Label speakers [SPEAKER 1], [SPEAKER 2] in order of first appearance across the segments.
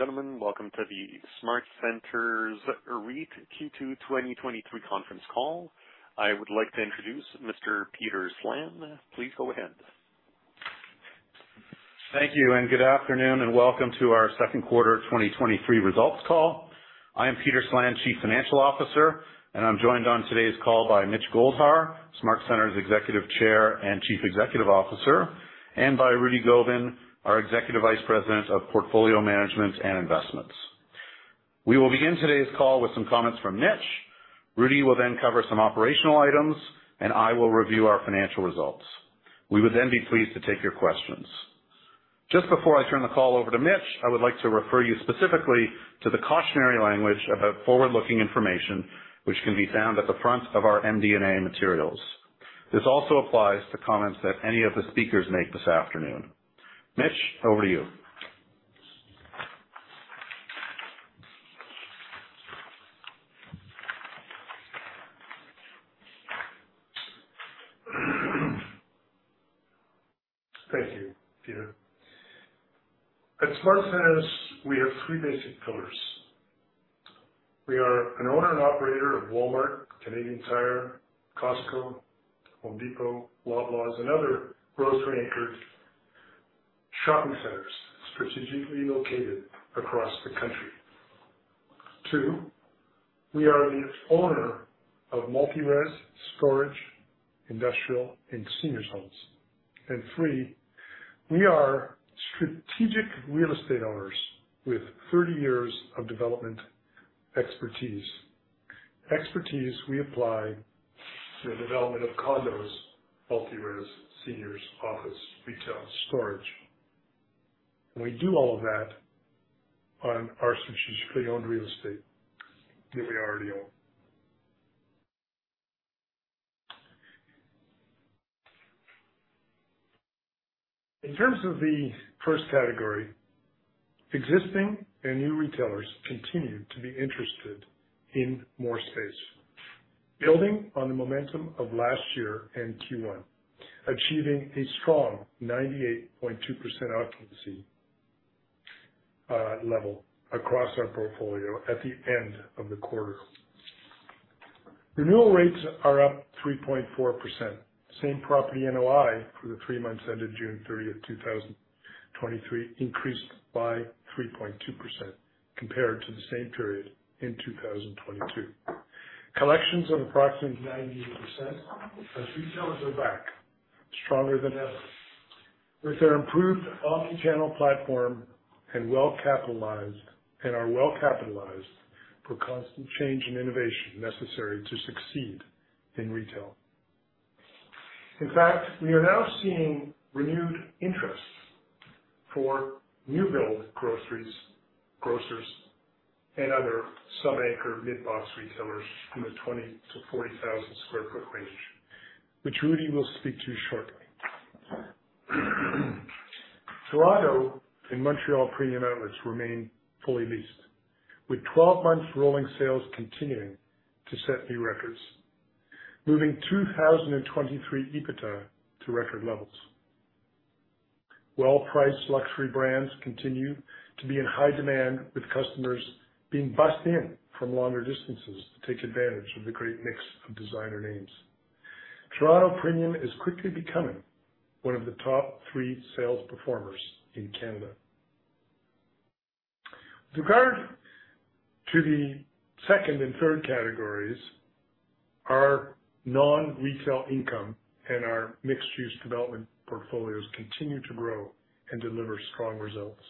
[SPEAKER 1] Ladies and gentlemen, welcome to the SmartCentres REIT Q2 2023 conference call. I would like to introduce Mr. Peter Slan. Please go ahead.
[SPEAKER 2] Thank you, and good afternoon, and welcome to our second quarter 2023 results call. I am Peter Slan, Chief Financial Officer, and I'm joined on today's call by Mitchell Goldhar, SmartCentres' Executive Chair and Chief Executive Officer, and by Rudy Gobin, our Executive Vice President of Portfolio Management and Investments. We will begin today's call with some comments from Mitch. Rudy will then cover some operational items, and I will review our financial results. We would then be pleased to take your questions. Just before I turn the call over to Mitch, I would like to refer you specifically to the cautionary language about forward-looking information, which can be found at the front of our MD&A materials. This also applies to comments that any of the speakers make this afternoon. Mitch, over to you.
[SPEAKER 3] Thank you, Peter. At SmartCentres, we have three basic pillars. We are an owner and operator of Walmart, Canadian Tire, Costco, The Home Depot, Loblaws, and other grocery-anchored shopping centers strategically located across the country. Two, we are the owner of multi-res, storage, industrial, and seniors homes. Three, we are strategic real estate owners with 30 years of development expertise. Expertise we apply to the development of condos, multi-res, seniors, office, retail, storage. We do all of that on our strategically owned real estate that we already own. In terms of the first category, existing and new retailers continue to be interested in more space, building on the momentum of last year in Q1, achieving a strong 98.2% occupancy level across our portfolio at the end of the quarter. Renewal rates are up 3.4%. Same property NOI for the three months ended June 30th, 2023, increased by 3.2% compared to the same period in 2022. Collections of approximately 98% as retailers are back, stronger than ever, with their improved omnichannel platform and are well capitalized for constant change and innovation necessary to succeed in retail. In fact, we are now seeing renewed interest for new build groceries, grocers and other sub-anchor mid-box retailers in the 20,000-40,000 sq ft range, which Rudy will speak to shortly. Toronto and Premium Outlets Montreal remain fully leased, with 12 months rolling sales continuing to set new records, moving 2023 EBITDA to record levels. Well-priced luxury brands continue to be in high demand, with customers being bussed in from longer distances to take advantage of the great mix of designer names. Toronto Premium is quickly becoming one of the top three sales performers in Canada. With regard to the second and third categories, our non-retail income and our mixed-use development portfolios continue to grow and deliver strong results.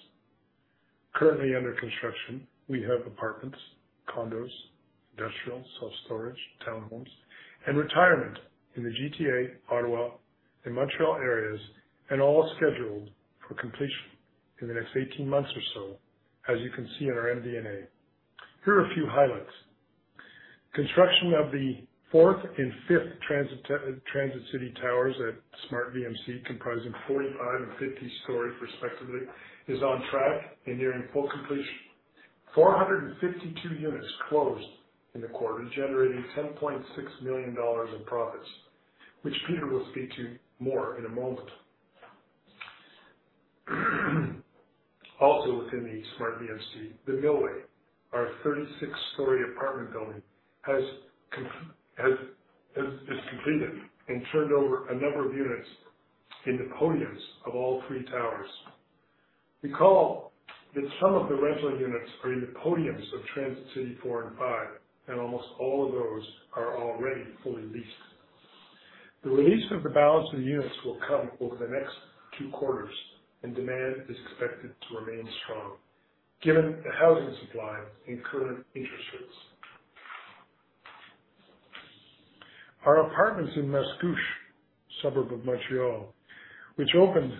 [SPEAKER 3] Currently under construction, we have apartments, condos, industrial, self-storage, townhomes, and retirement in the GTA, Ottawa, and Montreal areas, and all scheduled for completion in the next 18 months or so, as you can see in our MD&A. Here are a few highlights: Construction of the fourth and fifth transit, Transit City Towers at SmartVMC, comprising 45 and 50 stories respectively, is on track and nearing full completion. 452 units closed in the quarter, generating $10.6 million in profits, which Peter will speak to more in a moment. Also within the SmartVMC, the Millway, our 36-story apartment building, has, is completed and turned over a number of units in the podiums of all three towers. Recall that some of the rental units are in the podiums of Transit City 4 and 5, almost all of those are already fully leased. The release of the balance of the units will come over the next two quarters, and demand is expected to remain strong given the housing supply and current interest rates. Our apartments in Mascouche, a suburb of Montreal, which opened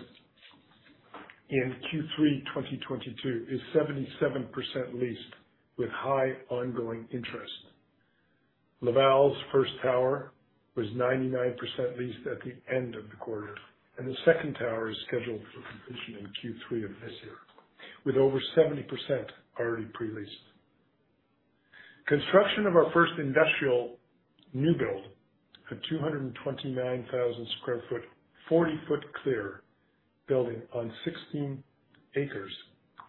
[SPEAKER 3] in Q3 2022, is 77% leased with high ongoing interest. Laval's first tower was 99% leased at the end of the quarter, and the second tower is scheduled for completion in Q3 of this year, with over 70% already pre-leased. Construction of our first industrial new build, a 229,000 sq ft, 40-foot clear building on 16 acres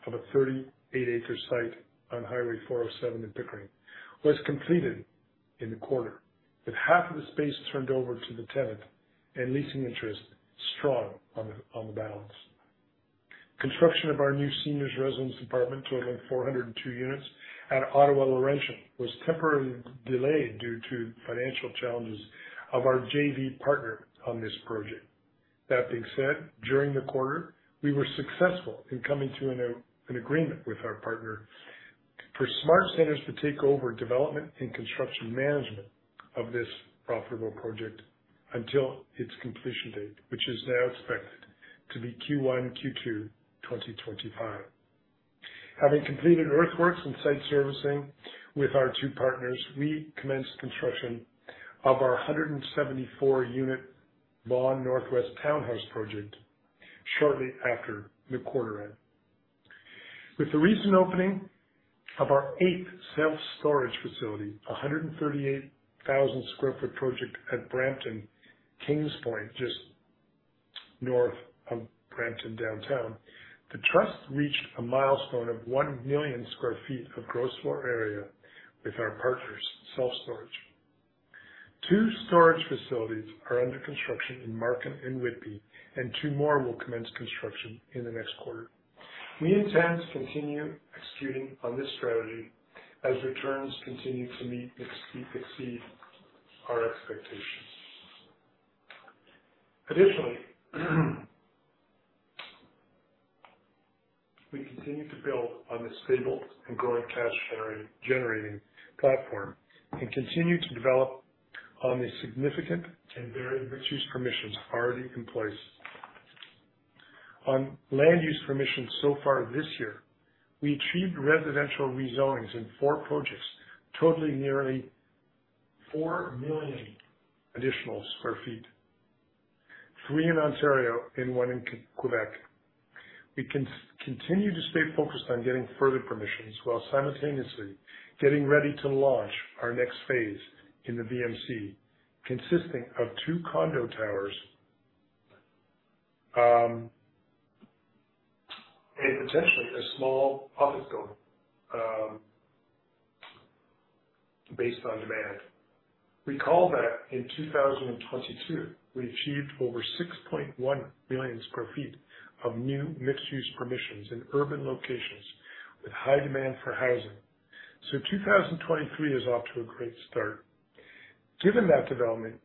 [SPEAKER 3] of a 38 acre site on Highway 407 in Pickering, was completed in the quarter, with half of the space turned over to the tenant and leasing interest strong on the balance. Construction of our new seniors residence apartment, totaling 402 units at Ottawa Laurentian, was temporarily delayed due to financial challenges of our JV partner on this project. That being said, during the quarter, we were successful in coming to an agreement with our partner for SmartCentres to take over development and construction management of this profitable project until its completion date, which is now expected to be Q1, Q2, 2025. Having completed earthworks and site servicing with our 2 partners, we commenced construction of our 174 unit Vaughan Northwest Townhouse project shortly after the quarter end. With the recent opening of our 8th self-storage facility, a 138,000 sq ft project at Brampton Kings Point, just north of Brampton downtown, the trust reached a milestone of 1 million sq ft of gross floor area with our partners, SmartStop Self Storage. Two storage facilities are under construction in Markham and Whitby, and two more will commence construction in the next quarter. We intend to continue executing on this strategy as returns continue to meet exceed our expectations. Additionally, we continue to build on the stable and growing cash generating, generating platform and continue to develop on the significant and varied mixed-use permissions already in place. On land use permissions so far this year, we achieved residential rezonings in 4 projects, totaling nearly 4 million additional sq ft, 3 in Ontario and 1 in Quebec. We continue to stay focused on getting further permissions while simultaneously getting ready to launch our next phase in the VMC, consisting of 2 condo towers, and potentially a small office building, based on demand. Recall that in 2022, we achieved over 6.1 million sq ft of new mixed-use permissions in urban locations with high demand for housing. 2023 is off to a great start. Given that development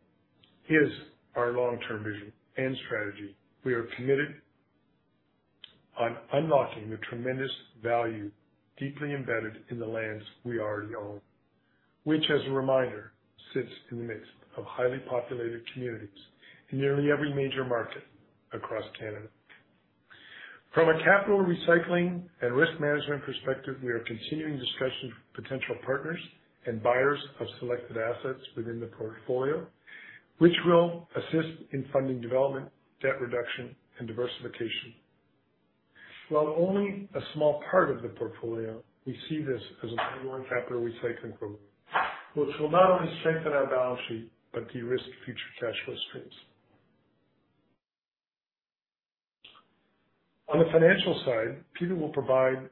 [SPEAKER 3] is our long-term vision and strategy, we are committed on unlocking the tremendous value deeply embedded in the lands we already own, which, as a reminder, sits in the midst of highly populated communities in nearly every major market across Canada. From a capital recycling and risk management perspective, we are continuing discussions with potential partners and buyers of selected assets within the portfolio, which will assist in funding development, debt reduction, and diversification. While only a small part of the portfolio, we see this as an ongoing capital recycling program, which will not only strengthen our balance sheet, but de-risk future cash flow streams. On the financial side, Peter will provide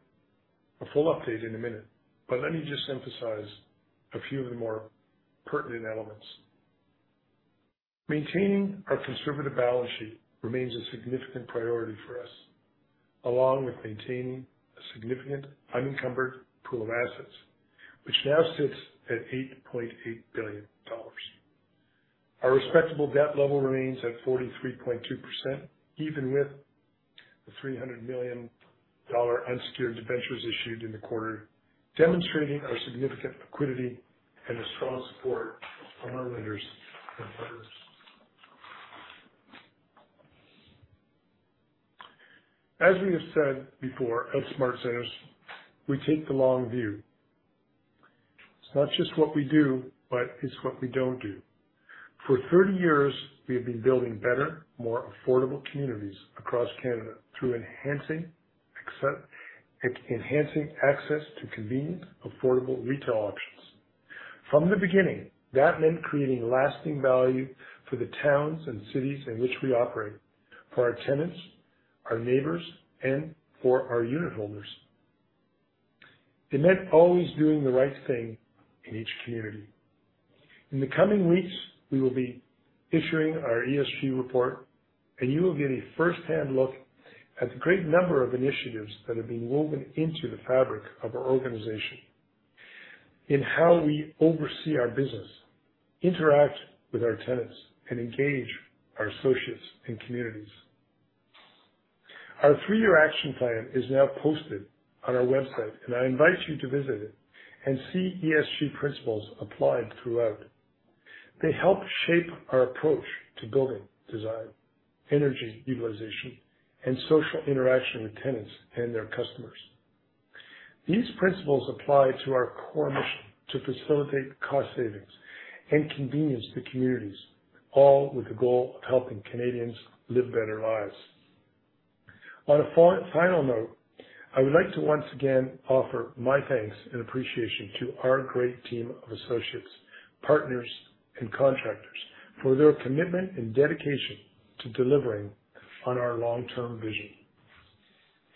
[SPEAKER 3] a full update in a minute. Let me just emphasize a few of the more pertinent elements. Maintaining our conservative balance sheet remains a significant priority for us, along with maintaining a significant unencumbered pool of assets, which now sits at 8.8 billion dollars. Our respectable debt level remains at 43.2%, even with the 300 million dollar unsecured debentures issued in the quarter, demonstrating our significant liquidity and the strong support from our lenders and partners. As we have said before, at SmartCentres, we take the long view. It's not just what we do, but it's what we don't do. For 30 years, we have been building better, more affordable communities across Canada through enhancing access to convenient, affordable retail options. From the beginning, that meant creating lasting value for the towns and cities in which we operate, for our tenants, our neighbors, and for our unitholders. It meant always doing the right thing in each community. In the coming weeks, we will be issuing our ESG report, and you will get a first-hand look at the great number of initiatives that have been woven into the fabric of our organization, in how we oversee our business, interact with our tenants, and engage our associates and communities. Our three-year action plan is now posted on our website, and I invite you to visit it and see ESG principles applied throughout. They help shape our approach to building design, energy utilization, and social interaction with tenants and their customers. These principles apply to our core mission to facilitate cost savings and convenience to communities, all with the goal of helping Canadians live better lives. On a final note, I would like to once again offer my thanks and appreciation to our great team of associates, partners, and contractors for their commitment and dedication to delivering on our long-term vision.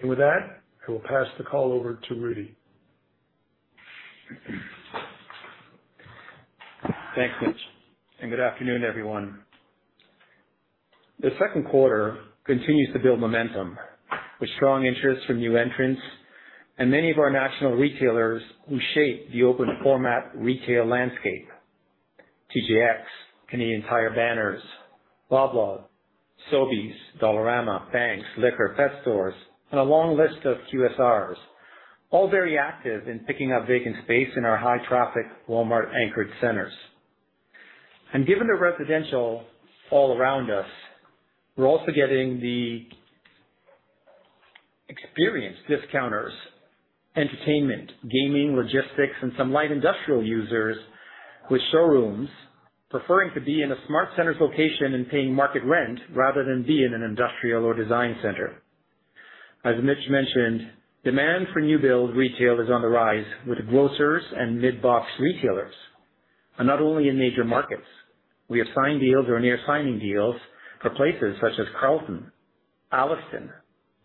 [SPEAKER 3] With that, I will pass the call over to Rudy.
[SPEAKER 4] Thanks, Mitch, good afternoon, everyone. The second quarter continues to build momentum with strong interest from new entrants and many of our national retailers who shape the open format retail landscape. TJX, Canadian Tire banners, Loblaws, Sobeys, Dollarama, banks, liquor, pet stores, and a long list of QSRs, all very active in picking up vacant space in our high-traffic Walmart anchored centers. Given the residential all around us, we're also getting the experienced discounters, entertainment, gaming, logistics, and some light industrial users with showrooms preferring to be in a SmartCentres location and paying market rent rather than be in an industrial or design center. As Mitch mentioned, demand for new build retail is on the rise, with grocers and mid-box retailers, not only in major markets. We have signed deals or are near signing deals for places such as Carleton Place, Alliston,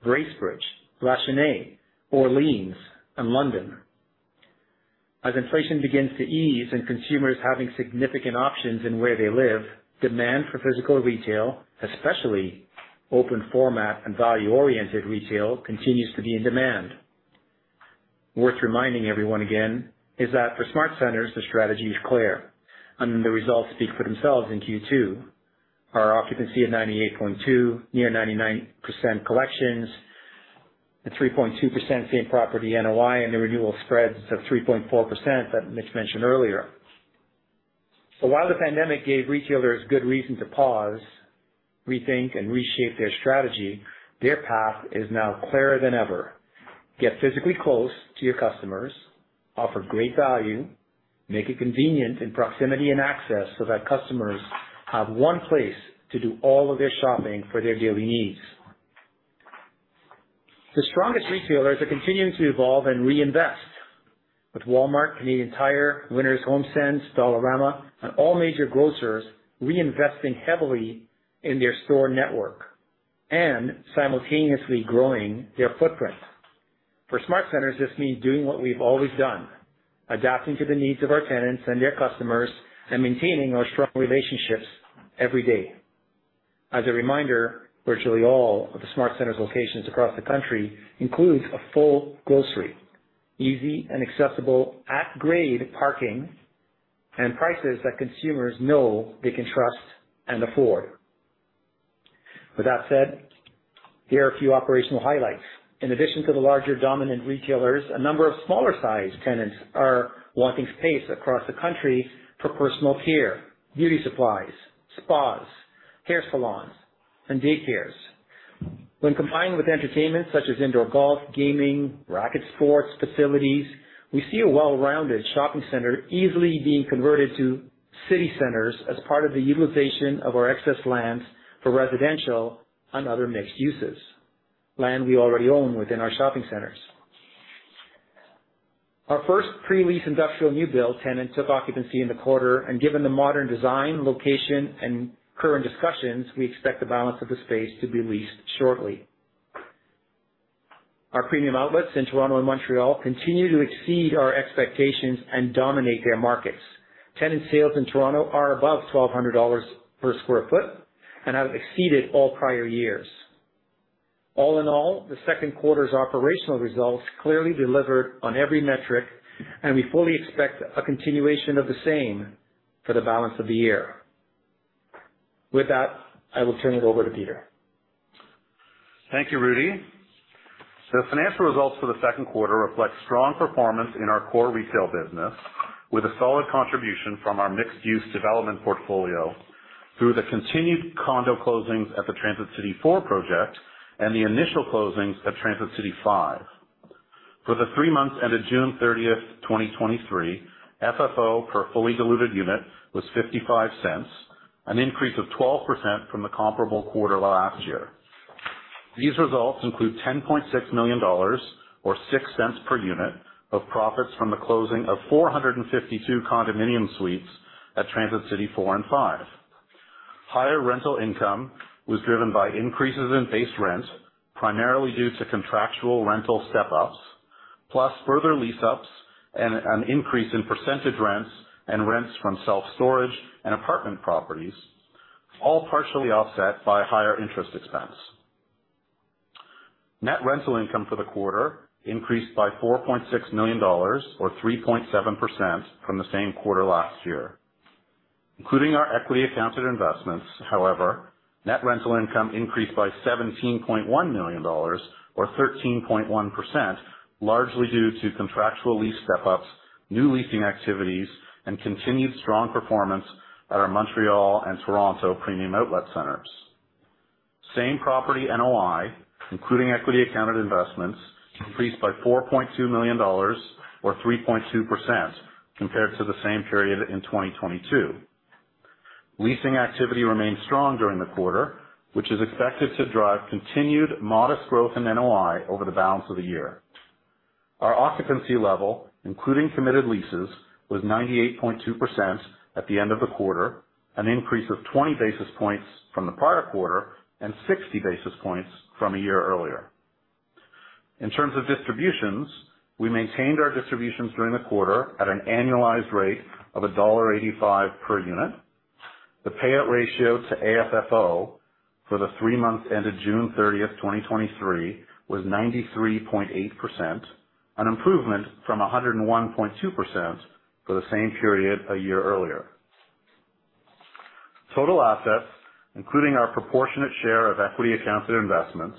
[SPEAKER 4] Bracebridge, Lachenaie, Orleans, and London. As inflation begins to ease and consumers having significant options in where they live, demand for physical retail, especially open format and value-oriented retail, continues to be in demand. Worth reminding everyone again is that for SmartCentres, the strategy is clear, and the results speak for themselves in Q2. Our occupancy at 98.2, near 99% collections, a 3.2% same property NOI, and the renewal spreads of 3.4% that Mitch mentioned earlier. While the pandemic gave retailers good reason to pause, rethink, and reshape their strategy, their path is now clearer than ever. Get physically close to your customers, offer great value, make it convenient in proximity and access so that customers have one place to do all of their shopping for their daily needs. The strongest retailers are continuing to evolve and reinvest, with Walmart, Canadian Tire, Winners HomeSense, Dollarama, and all major grocers reinvesting heavily in their store network and simultaneously growing their footprint. For SmartCentres, this means doing what we've always done, adapting to the needs of our tenants and their customers, and maintaining our strong relationships every day. As a reminder, virtually all of the SmartCentres locations across the country includes a full grocery, easy and accessible at-grade parking, and prices that consumers know they can trust and afford. With that said, here are a few operational highlights. In addition to the larger, dominant retailers, a number of smaller-sized tenants are wanting space across the country for personal care, beauty supplies, spas, hair salons, and daycares. When combined with entertainment, such as indoor golf, gaming, racket sports facilities, we see a well-rounded shopping center easily being converted to city centers as part of the utilization of our excess lands for residential and other mixed uses, land we already own within our shopping centers. Our first pre-lease industrial new build tenant took occupancy in the quarter. Given the modern design, location, and current discussions, we expect the balance of the space to be leased shortly. Our premium outlets in Toronto and Montreal continue to exceed our expectations and dominate their markets. Tenant sales in Toronto are above 1,200 dollars per sq ft and have exceeded all prior years. All in all, the second quarter's operational results clearly delivered on every metric. We fully expect a continuation of the same for the balance of the year. With that, I will turn it over to Peter.
[SPEAKER 2] Thank you, Rudy. The financial results for the second quarter reflect strong performance in our core retail business, with a solid contribution from our mixed-use development portfolio through the continued condo closings at the Transit City 4 project and the initial closings at Transit City 5. For the 3 months ended June 30, 2023, FFO per fully diluted unit was 0.55, an increase of 12% from the comparable quarter last year. These results include 10.6 million dollars, or 0.06 per unit, of profits from the closing of 452 condominium suites at Transit City 4 and 5. Higher rental income was driven by increases in base rents, primarily due to contractual rental step-ups, plus further lease-ups and an increase in percentage rents and rents from self-storage and apartment properties, all partially offset by higher interest expense. Net rental income for the quarter increased by 4.6 million dollars or 3.7% from the same quarter last year. Including our equity accounted investments, however, net rental income increased by 17.1 million dollars or 13.1%, largely due to contractual lease step-ups, new leasing activities, and continued strong performance at our Montreal and Toronto Premium Outlets centers. Same property NOI, including equity accounted investments, increased by 4.2 million dollars or 3.2% compared to the same period in 2022. leasing activity remained strong during the quarter, which is expected to drive continued modest growth in NOI over the balance of the year. Our occupancy level, including committed leases, was 98.2% at the end of the quarter, an increase of 20 basis points from the prior quarter and 60 basis points from a year earlier. In terms of distributions, we maintained our distributions during the quarter at an annualized rate of dollar 1.85 per unit. The payout ratio to AFFO for the three months ended June 30th, 2023, was 93.8%, an improvement from 101.2% for the same period a year earlier. Total assets, including our proportionate share of equity accounted investments,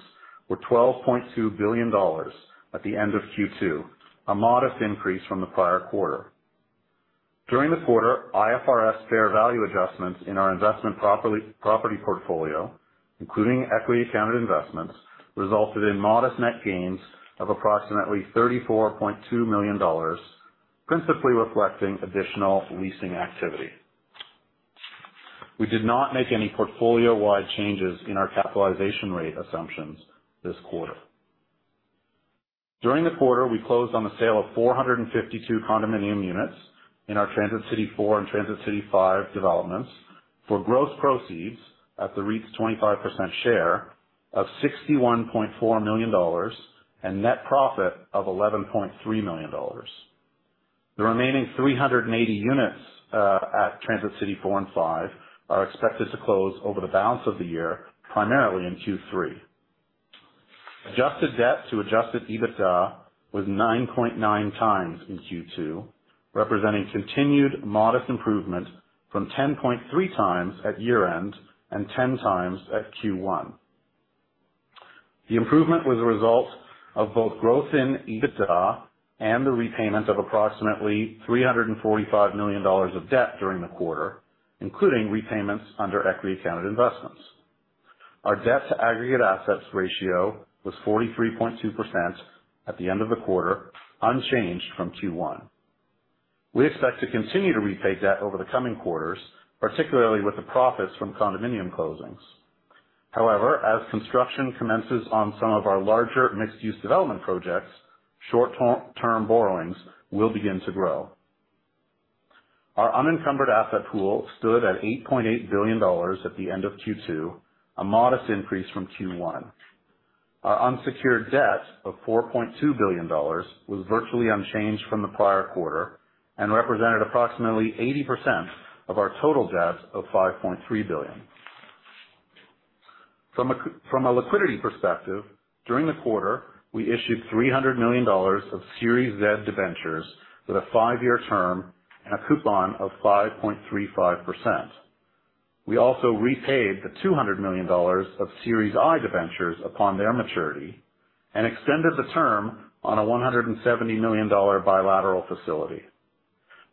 [SPEAKER 2] were 12.2 billion dollars at the end of Q2, a modest increase from the prior quarter. During the quarter, IFRS fair value adjustments in our investment property portfolio, including equity accounted investments, resulted in modest net gains of approximately $34.2 million, principally reflecting additional leasing activity. We did not make any portfolio-wide changes in our capitalization rate assumptions this quarter. During the quarter, we closed on the sale of 452 condominium units in our Transit City 4 and Transit City 5 developments for gross proceeds at the REIT's 25% share of $61.4 million and net profit of $11.3 million. The remaining 380 units at Transit City 4 and Five are expected to close over the balance of the year, primarily in Q3. Adjusted debt to adjusted EBITDA was 9.9x in Q2, representing continued modest improvement from 10.3x at year-end and 10x at Q1. The improvement was a result of both growth in EBITDA and the repayment of approximately 345 million dollars of debt during the quarter, including repayments under equity accounted investments. Our debt to aggregate assets ratio was 43.2% at the end of the quarter, unchanged from Q1. We expect to continue to repay debt over the coming quarters, particularly with the profits from condominium closings. However, as construction commences on some of our larger mixed-use development projects, short-term borrowings will begin to grow. Our unencumbered asset pool stood at 8.8 billion dollars at the end of Q2, a modest increase from Q1. Our unsecured debt of 4.2 billion dollars was virtually unchanged from the prior quarter and represented approximately 80% of our total debt of 5.3 billion. From a liquidity perspective, during the quarter, we issued 300 million dollars of Series Z debentures with a 5-year term and a coupon of 5.35%. We also repaid the 200 million dollars of Series I debentures upon their maturity and extended the term on a 170 million dollar bilateral facility.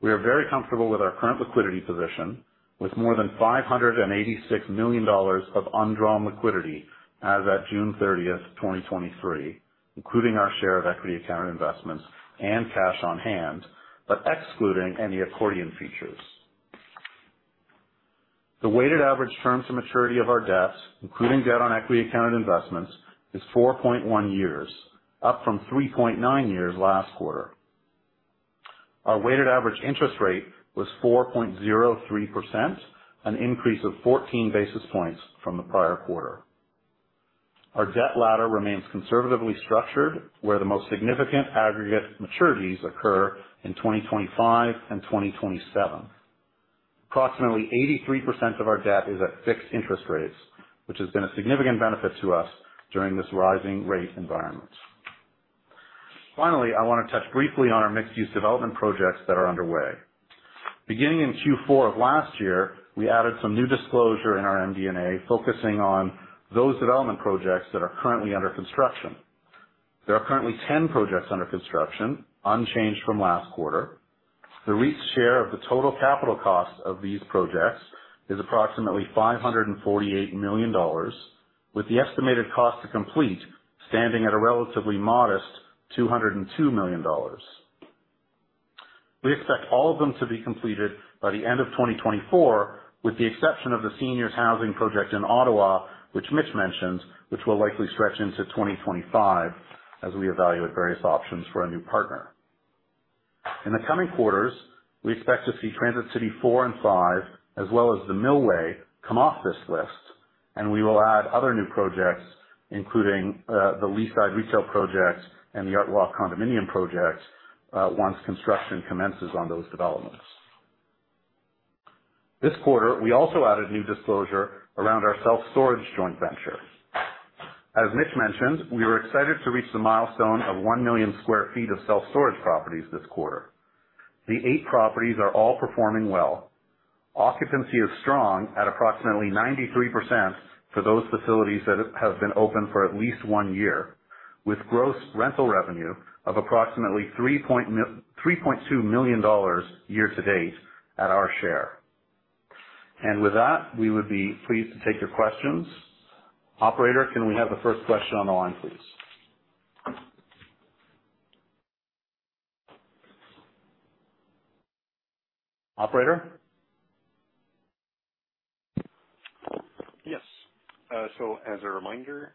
[SPEAKER 2] We are very comfortable with our current liquidity position, with more than 586 million dollars of undrawn liquidity as at June 30, 2023, including our share of equity accounted investments and cash on hand, but excluding any accordion features. The weighted average terms to maturity of our debts, including debt on equity accounted investments, is 4.1 years, up from 3.9 years last quarter. Our weighted average interest rate was 4.03%, an increase of 14 basis points from the prior quarter. Our debt ladder remains conservatively structured, where the most significant aggregate maturities occur in 2025 and 2027. Approximately 83% of our debt is at fixed interest rates, which has been a significant benefit to us during this rising rate environment. Finally, I want to touch briefly on our mixed-use development projects that are underway. Beginning in Q4 of last year, we added some new disclosure in our MD&A, focusing on those development projects that are currently under construction. There are currently 10 projects under construction, unchanged from last quarter. The REIT's share of the total capital cost of these projects is approximately 548 million dollars, with the estimated cost to complete standing at a relatively modest 202 million dollars. We expect all of them to be completed by the end of 2024, with the exception of the seniors housing project in Ottawa, which Mitch mentioned, which will likely stretch into 2025 as we evaluate various options for a new partner. In the coming quarters, we expect to see Transit City 4 and 5, as well as The Millway, come off this list, and we will add other new projects, including the Leaside retail project and the ArtWalk condominium project once construction commences on those developments. This quarter, we also added new disclosure around our self-storage joint venture. As Mitch mentioned, we were excited to reach the milestone of 1 million sq ft of self-storage properties this quarter. The eight properties are all performing well. Occupancy is strong at approximately 93% for those facilities that have been open for at least one year, with gross rental revenue of approximately 3.2 million dollars year to date at our share. With that, we would be pleased to take your questions. Operator, can we have the first question on the line, please?
[SPEAKER 3] Operator?
[SPEAKER 1] Yes. As a reminder,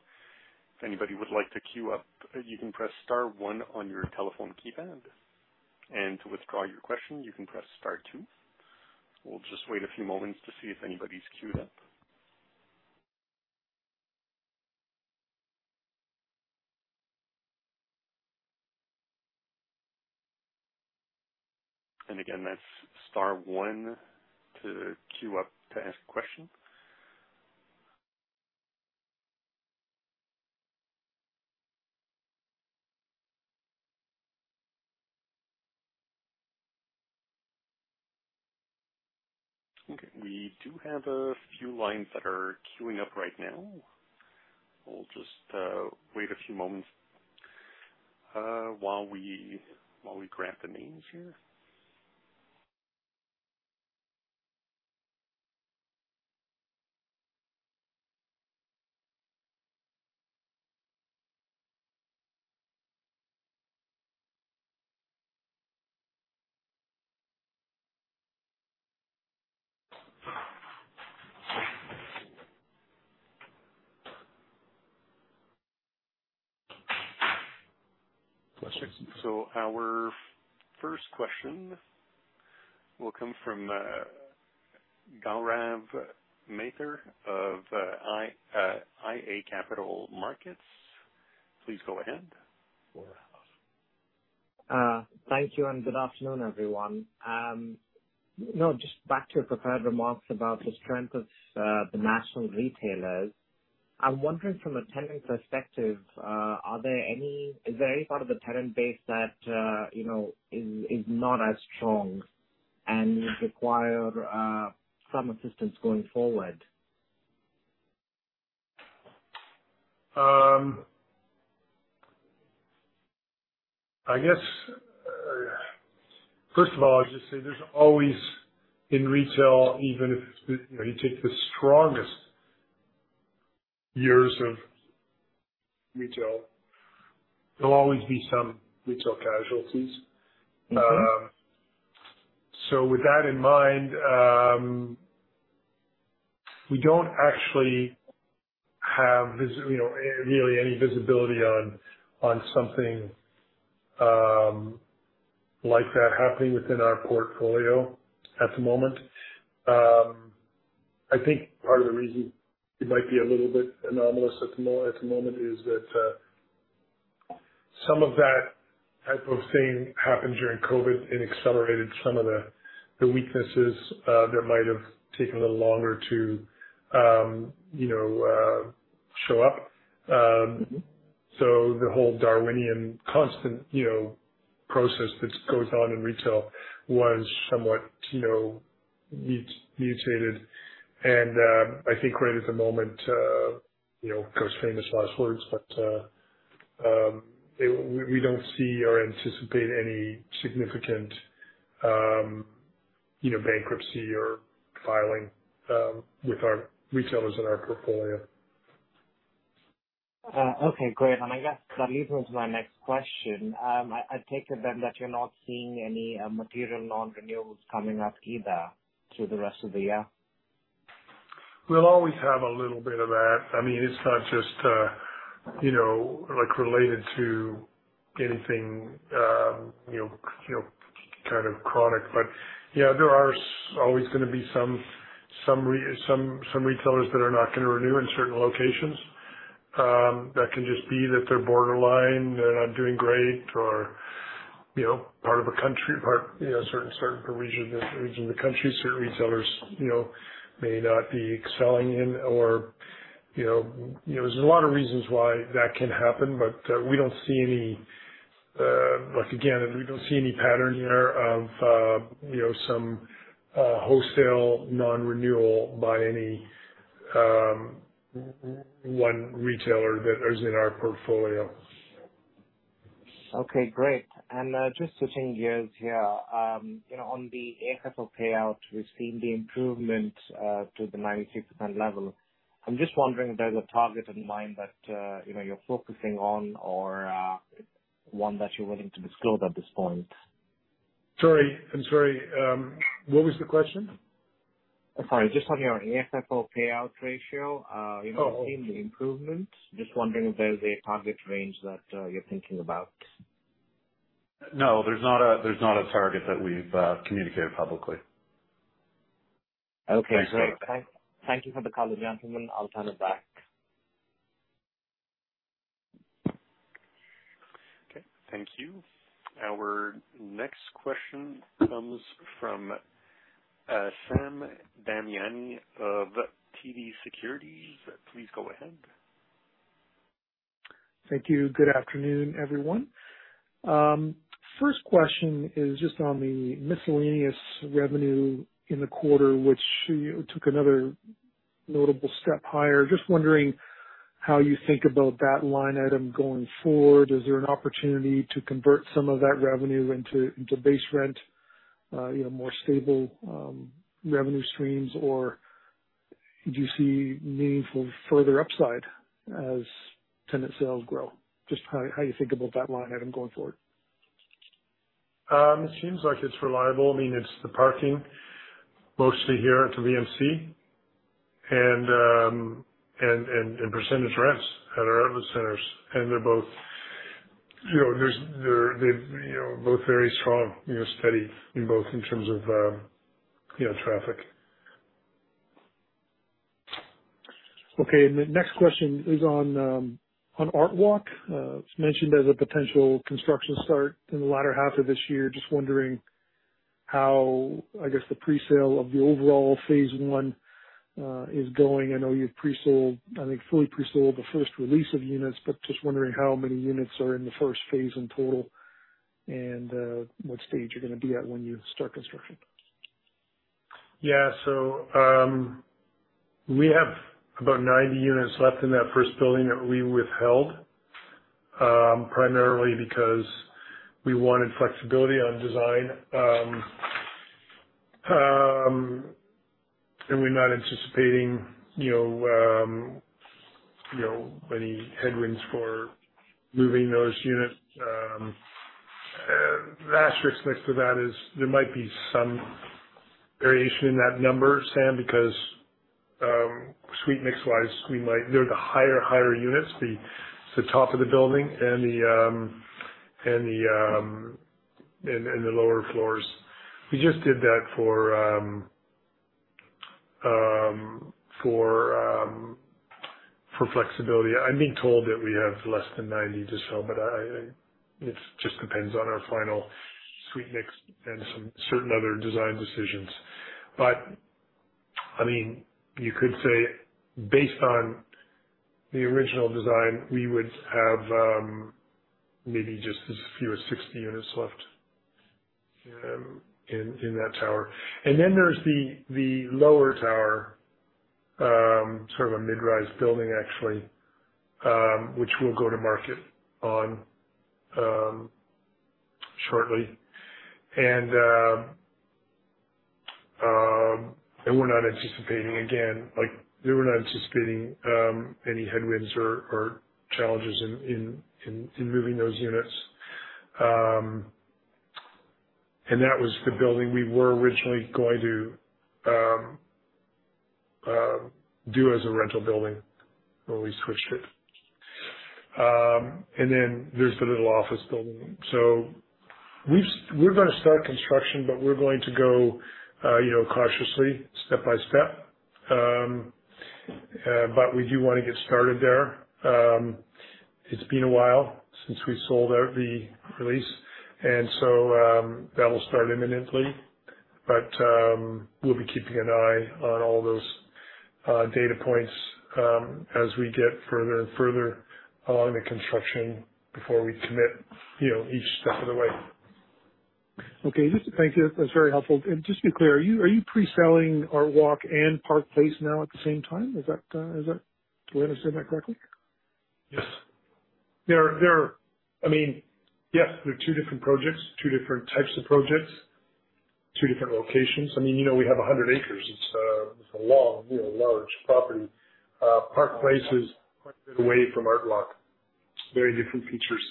[SPEAKER 1] if anybody would like to queue up, you can press star one on your telephone keypad, to withdraw your question, you can press star two. We'll just wait a few moments to see if anybody's queued up. Again, that's star one to queue up to ask a question. We do have a few lines that are queuing up right now. We'll just wait a few moments while we grab the names here.
[SPEAKER 3] Questions?
[SPEAKER 1] Our first question will come from Gaurav Mathur of IA Capital Markets. Please go ahead.
[SPEAKER 5] Thank you. Good afternoon, everyone. You know, just back to your prepared remarks about the strength of the national retailers, I'm wondering from a tenant perspective, is there any part of the tenant base that, you know, is, is not as strong and require some assistance going forward?
[SPEAKER 3] I guess, first of all, I'll just say there's always in retail, even if it's the... You know, you take the strongest years of retail, there'll always be some retail casualties.
[SPEAKER 5] Mm-hmm.
[SPEAKER 3] So with that in mind, we don't actually have you know, really any visibility on, on something like that happening within our portfolio at the moment. I think part of the reason it might be a little bit anomalous at the moment is that some of that type of thing happened during COVID and accelerated some of the, the weaknesses that might have taken a little longer to, you know, show up. So the whole Darwinian constant, you know, process that goes on in retail was somewhat, you know, mutated. And I think right at the moment, you know, of course, famous last words, but we don't see or anticipate any significant, you know, bankruptcy or filing with our retailers in our portfolio.
[SPEAKER 5] Okay, great. I guess that leads me to my next question. I, I take it then, that you're not seeing any material non-renewals coming up either through the rest of the year?
[SPEAKER 3] We'll always have a little bit of that. I mean, it's not just, you know, like, related to anything, you know, you know, kind of chronic. But yeah, there are always gonna be some, some retailers that are not gonna renew in certain locations. That can just be that they're borderline, they're not doing great or, you know, part of a country, part, you know, certain, certain region, region of the country, certain retailers, you know, may not be excelling in or, you know... You know, there's a lot of reasons why that can happen, but, we don't see any, like, again, we don't see any pattern here of, you know, some, wholesale non-renewal by any, one retailer that is in our portfolio.
[SPEAKER 5] Okay, great. Just to change gears here, you know, on the AFFO payout, we've seen the improvement, to the 96% level. I'm just wondering if there's a target in mind that, you know, you're focusing on or, one that you're willing to disclose at this point?
[SPEAKER 3] Sorry, I'm sorry, what was the question?
[SPEAKER 5] Sorry, just on your AFFO payout ratio,
[SPEAKER 3] Oh.
[SPEAKER 5] We've seen the improvement. Just wondering if there's a target range that you're thinking about?
[SPEAKER 3] No, there's not a, there's not a target that we've communicated publicly.
[SPEAKER 5] Okay, great.
[SPEAKER 3] So-
[SPEAKER 5] Thank you for the call, gentlemen. I'll turn it back.
[SPEAKER 1] Okay. Thank you. Our next question comes from Sam Damiani of TD Securities. Please go ahead.
[SPEAKER 6] Thank you. Good afternoon, everyone. First question is just on the miscellaneous revenue in the quarter, which, you know, took another notable step higher. Just wondering how you think about that line item going forward. Is there an opportunity to convert some of that revenue into, into base rent, you know, more stable, revenue streams, or do you see meaningful further upside as tenant sales grow? Just how, how you think about that line item going forward.
[SPEAKER 3] It seems like it's reliable. I mean, it's the parking mostly here at the VMC, and percentage rents at our other centres. And they're both, you know, there's, they're, they, you know, both very strong, you know, steady in both in terms of, you know, traffic.
[SPEAKER 6] Okay. The next question is on on ArtWalk. It's mentioned as a potential construction start in the latter half of this year. Just wondering how, I guess, the presale of the overall phase 1 is going. I know you've presold, I think, fully presold the first release of units, but just wondering how many units are in the first phase in total, and what stage you're gonna be at when you start construction.
[SPEAKER 3] We have about 90 units left in that first building that we withheld, primarily because we wanted flexibility on design. We're not anticipating, you know, you know, any headwinds for moving those units. Last risk next to that is there might be some variation in that number, Sam, because, suite mix wise, we might... They're the higher, higher units, it's the top of the building and the lower floors. We just did that for flexibility. I'm being told that we have less than 90 to sell, it just depends on our final suite mix and some certain other design decisions. I mean, you could say based on the original design, we would have, maybe just as few as 60 units left, in, in that tower. Then there's the, the lower tower, sort of a mid-rise building actually, which we'll go to market on, shortly. We're not anticipating, again, like, we're not anticipating, any headwinds or, or challenges in, in, in, in moving those units. That was the building we were originally going to, do as a rental building when we switched it. Then there's the little office building. We're gonna start construction, but we're going to go, you know, cautiously, step by step. But we do want to get started there. It's been a while since we sold our, the release, and so, that'll start imminently. We'll be keeping an eye on all those data points, as we get further and further along in the construction before we commit, you know, each step of the way.
[SPEAKER 6] Okay. Just, thank you. That's very helpful. Just to be clear, are you pre-selling Artwalk and Park Place now at the same time? Is that, do I understand that correctly?
[SPEAKER 3] Yes. There are, there are... I mean, yes, they're two different projects, two different types of projects, two different locations. I mean, you know, we have 100 acres. It's, it's a long, you know, large property. Park Place is quite a way from Artwalk. Very different features.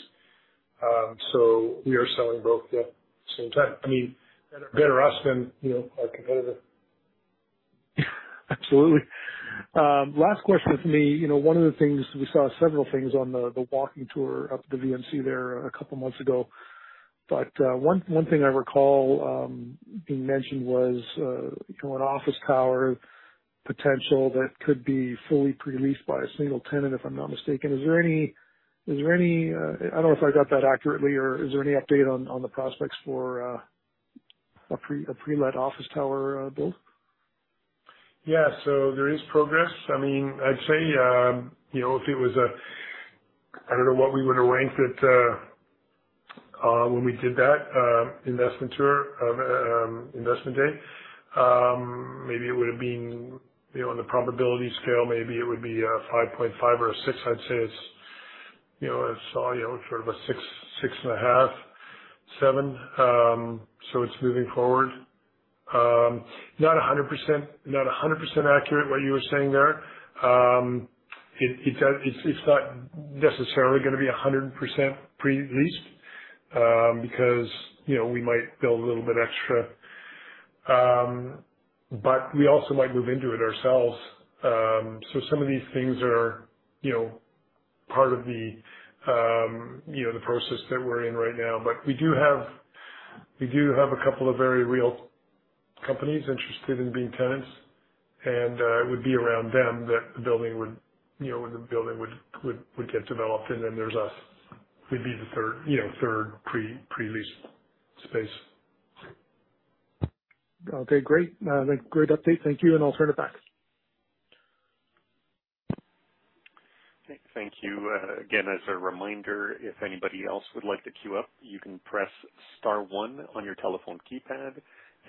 [SPEAKER 3] We are selling both, yeah, same time. I mean, better, better us than, you know, our competitor.
[SPEAKER 6] Absolutely. Last question for me. You know, one of the things, we saw several things on the, the walking tour up the VMC there a couple months ago, but one, one thing I recall being mentioned was, you know, an office tower potential that could be fully pre-leased by a single tenant, if I'm not mistaken. Is there any, is there any... I don't know if I got that accurately or is there any update on, on the prospects for, a pre- a pre-let office tower, build?
[SPEAKER 3] Yeah. There is progress. I mean, I'd say, you know, if it was... I don't know what we would have ranked it, when we did that, investment tour of, investment day. Maybe it would have been, you know, on the probability scale, maybe it would be a 5.5 or a 6. I'd say it's, you know, it's, you know, sort of a 6, 6.5, 7. It's moving forward. Not 100%, not 100% accurate what you were saying there. It's not necessarily gonna be 100% pre-leased, because, you know, we might build a little bit extra, but we also might move into it ourselves. Some of these things are, you know, part of the, you know, the process that we're in right now. We do have, we do have a couple of very real companies interested in being tenants, and it would be around them that the building would, you know, the building would, would, would get developed, and then there's us. We'd be the third, you know, third pre- pre-lease space.
[SPEAKER 6] Okay, great. Great update. Thank you, and I'll turn it back.
[SPEAKER 1] Thank, thank you. Again, as a reminder, if anybody else would like to queue up, you can press star one on your telephone keypad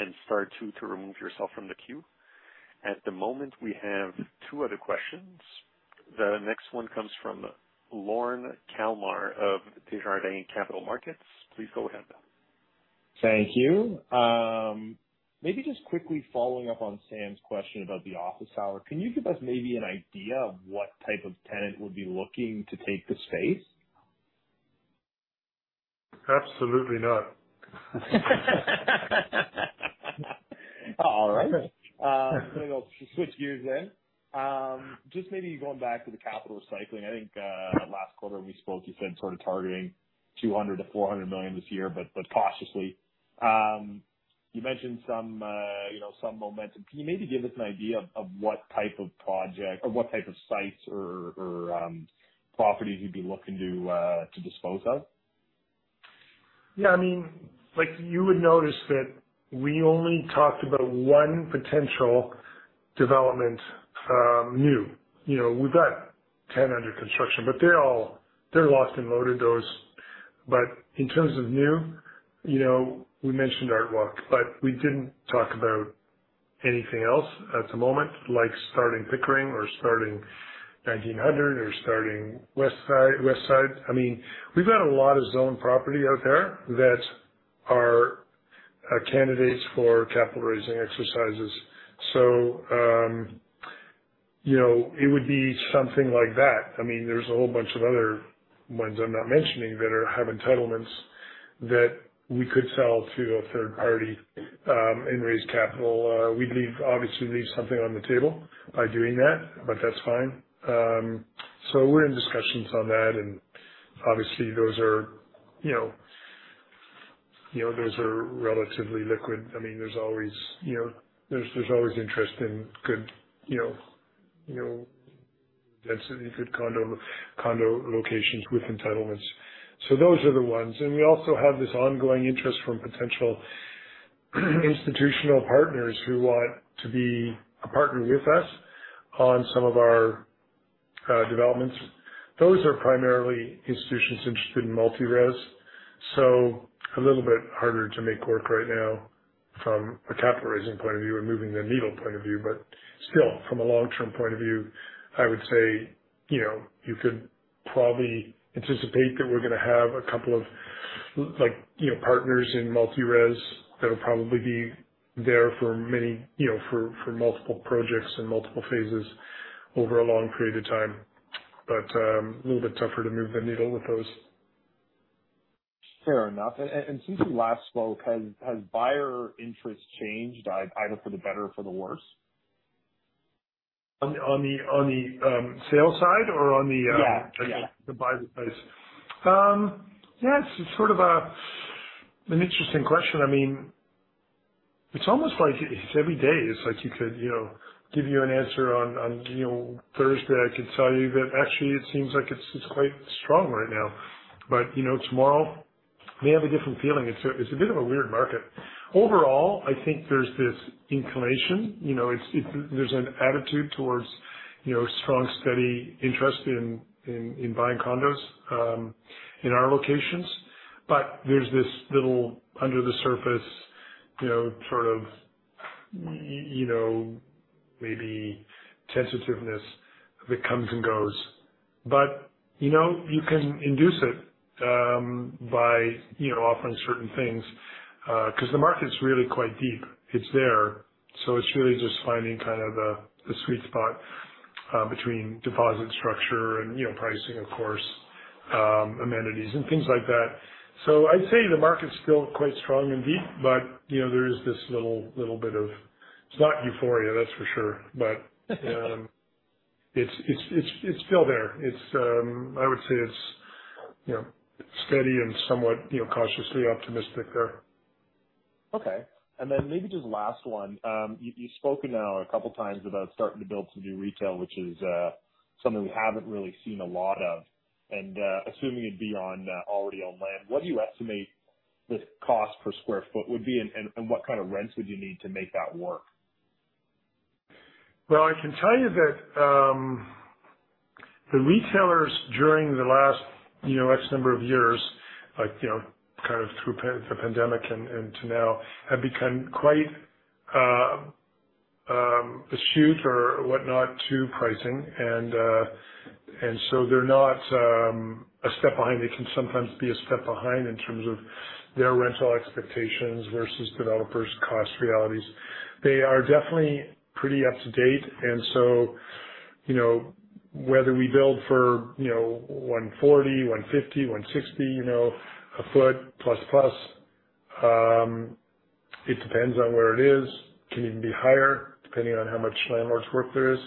[SPEAKER 1] and star two to remove yourself from the queue. At the moment, we have two other questions. The next one comes from Lorne Kalmar of Desjardins Capital Markets. Please go ahead.
[SPEAKER 7] Thank you. Maybe just quickly following up on Sam's question about the office tower, can you give us maybe an idea of what type of tenant would be looking to take the space?
[SPEAKER 3] Absolutely not.
[SPEAKER 7] All right. I think I'll switch gears then. Just maybe going back to the capital recycling, I think, last quarter we spoke, you said sort of targeting 200 million to 400 million this year, but cautiously. You mentioned some, you know, some momentum. Can you maybe give us an idea of, of what type of project or what type of sites or, or, properties you'd be looking to, to dispose of?
[SPEAKER 3] Yeah, I mean, like, you would notice that we only talked about one potential development, new. You know, we've got 10 under construction, but they're all... They're locked and loaded, those. In terms of new, you know, we mentioned ArtWalk, but we didn't talk about anything else at the moment, like starting Pickering or starting 1900 or starting Westside Mall, Westside Mall. I mean, we've got a lot of zone property out there that are, are candidates for capital raising exercises, so, you know, it would be something like that. I mean, there's a whole bunch of other ones I'm not mentioning that are, have entitlements that we could sell to a third party, and raise capital. We'd leave, obviously leave something on the table by doing that, but that's fine. So we're in discussions on that, and obviously, those are, you know, you know, those are relatively liquid. I mean, there's always, you know, there's, there's always interest in good, you know, you know, density, good condo, condo locations with entitlements. So those are the ones. We also have this ongoing interest from potential institutional partners who want to be a partner with us on some of our developments. Those are primarily institutions interested in multi-res, so a little bit harder to make work right now from a capital raising point of view or moving the needle point of view. Still, from a long-term point of view, I would say, you know, you could probably anticipate that we're gonna have a couple of like, you know, partners in multi-res that'll probably be there for many, you know, for, for multiple projects and multiple phases over a long period of time. A little bit tougher to move the needle with those.
[SPEAKER 7] Fair enough. Since we last spoke, has buyer interest changed, either for the better or for the worse?
[SPEAKER 3] On the, on the, on the, sales side or on the…
[SPEAKER 7] Yeah, yeah. The buy the price?
[SPEAKER 3] Yeah, it's sort of a, an interesting question. I mean, it's almost like it's every day. It's like you could, you know, give you an answer on, on, you know, Thursday, I could tell you that actually it seems like it's quite strong right now. You know, tomorrow may have a different feeling. It's a, it's a bit of a weird market. Overall, I think there's this inclination, you know. There's an attitude towards, you know, strong, steady interest in buying condos in our locations. There's this little under the surface, you know, sort of, you know, maybe sensitiveness that comes and goes. You know, you can induce it by, you know, offering certain things 'cause the market's really quite deep. It's there. It's really just finding kind of the, the sweet spot, between deposit structure and, you know, pricing, of course, amenities and things like that. I'd say the market's still quite strong and deep, but, you know, there is this little, little bit of. It's not euphoria, that's for sure. It's, it's, it's, it's still there. It's, I would say it's, you know, steady and somewhat, you know, cautiously optimistic there.
[SPEAKER 7] Okay. Then maybe just last one. you've spoken now a couple times about starting to build some new retail, which is, something we haven't really seen a lot of, and, assuming it'd be on, already on land, what do you estimate the cost per square foot would be, and what kind of rents would you need to make that work?
[SPEAKER 3] Well, I can tell you that, the retailers during the last, you know, X number of years, like, you know, kind of through the pandemic and, and to now, have become quite astute or whatnot to pricing. So they're not a step behind. They can sometimes be a step behind in terms of their rental expectations versus developers' cost realities. They are definitely pretty up to date, so, you know, whether we build for, you know, 140, 150, 160 a foot plus, plus, it depends on where it is. It can even be higher, depending on how much landlords work there is.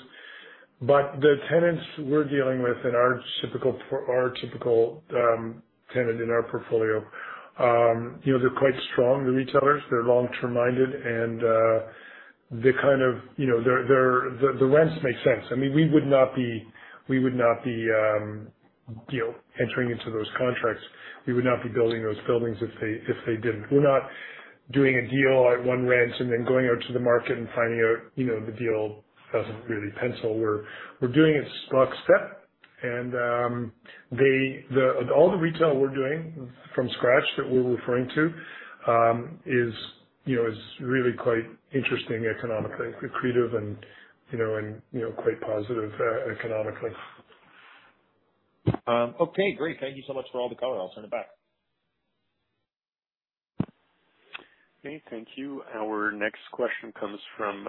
[SPEAKER 3] But the tenants we're dealing with in our typical our typical tenant in our portfolio, you know, they're quite strong, the retailers. They're long-term minded, and, they kind of, you know, they're, they're, the, the rents make sense. I mean, we would not be, we would not be, you know, entering into those contracts, we would not be building those buildings if they, if they didn't. We're not doing a deal at one rent and then going out to the market and finding out, you know, the deal doesn't really pencil. We're, we're doing it lockstep, and, they, the, all the retail we're doing from scratch that we're referring to, is, you know, is really quite interesting economically, accretive and, you know, and, you know, quite positive, economically.
[SPEAKER 7] Okay, great. Thank you so much for all the color. I'll turn it back.
[SPEAKER 1] Okay, thank you. Our next question comes from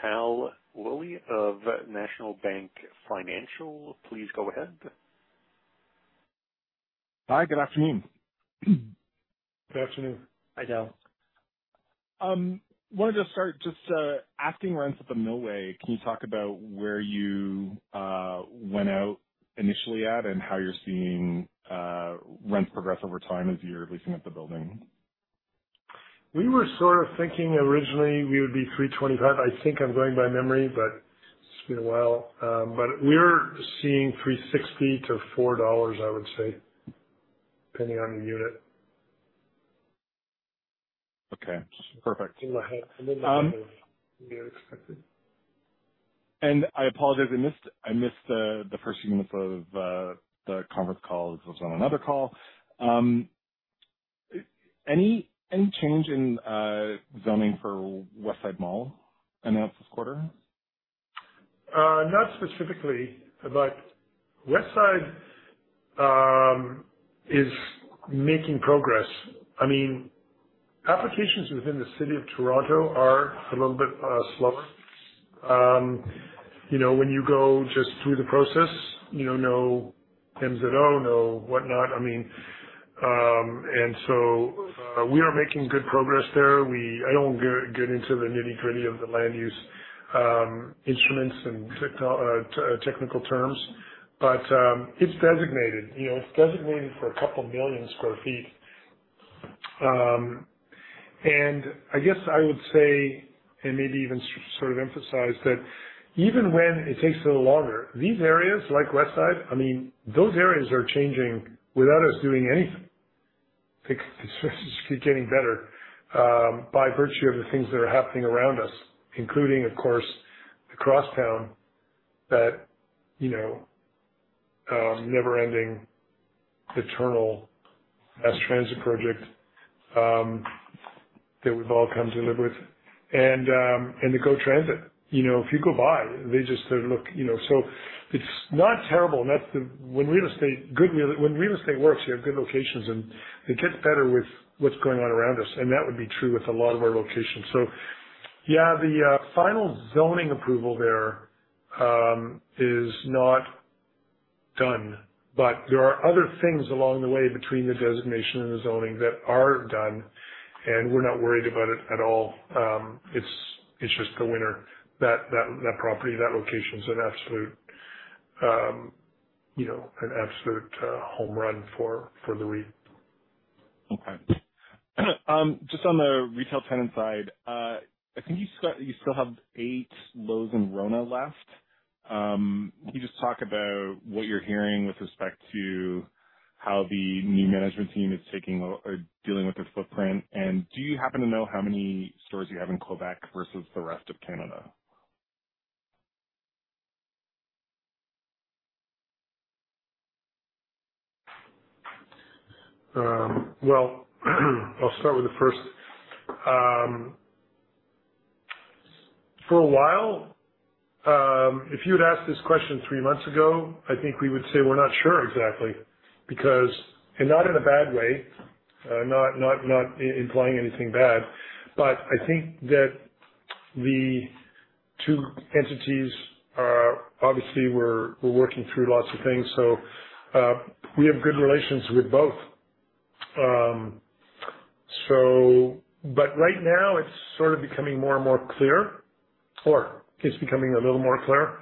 [SPEAKER 1] Tal Woolley of National Bank Financial. Please go ahead.
[SPEAKER 8] Hi, good afternoon.
[SPEAKER 3] Good afternoon. Hi, Tal.
[SPEAKER 8] Wanted to start just asking rents at The Millway. Can you talk about where you went out initially at and how you're seeing rents progress over time as you're leasing up the building?
[SPEAKER 3] We were sort of thinking originally we would be 3.25. I think I'm going by memory, but it's been a while. We're seeing 3.60-4 dollars, I would say, depending on the unit.
[SPEAKER 8] Okay, perfect.
[SPEAKER 3] In my head, we expected.
[SPEAKER 8] I apologize. I missed, I missed, the first few minutes of, the conference call. I was on another call. Any, any change in, zoning for Westside Mall announced this quarter?
[SPEAKER 3] Not specifically, but Westside is making progress. I mean, applications within the city of Toronto are a little bit slower. You know, when you go just through the process, you know, no MZO, no whatnot. I mean, we are making good progress there. I don't get into the nitty-gritty of the land use, instruments and tech, technical terms, but it's designated. You know, it's designated for a couple million sq ft. I guess I would say, and maybe even sort of emphasize, that even when it takes a little longer, these areas, like Westside, I mean, those areas are changing without us doing anything. They just keep getting better, by virtue of the things that are happening around us, including, of course, the Crosstown that, you know, never-ending, eternal mass transit project, that we've all come to live with. The GO Transit. You know, if you go by, they just look... You know, it's not terrible. Not the-- When real estate, good real- When real estate works, you have good locations, and it gets better with what's going on around us, and that would be true with a lot of our locations. Yeah, the final zoning approval there, is not done, but there are other things along the way between the designation and the zoning that are done, and we're not worried about it at all. It's, it's just a winner. That, that, that property, that location is an absolute, you know, an absolute, home run for, for the REIT.
[SPEAKER 8] Okay. Just on the retail tenant side, I think you still have 8 Lowe's and RONA left. Can you just talk about what you're hearing with respect to how the new management team is taking or, or dealing with the footprint? Do you happen to know how many stores you have in Quebec versus the rest of Canada?
[SPEAKER 3] Well, I'll start with the first. For a while, if you'd asked this question three months ago, I think we would say, "We're not sure exactly," because, and not in a bad way, not, not, not implying anything bad, but I think that the two entities are obviously we're, we're working through lots of things, so, we have good relations with both. Right now it's sort of becoming more and more clear or it's becoming a little more clear,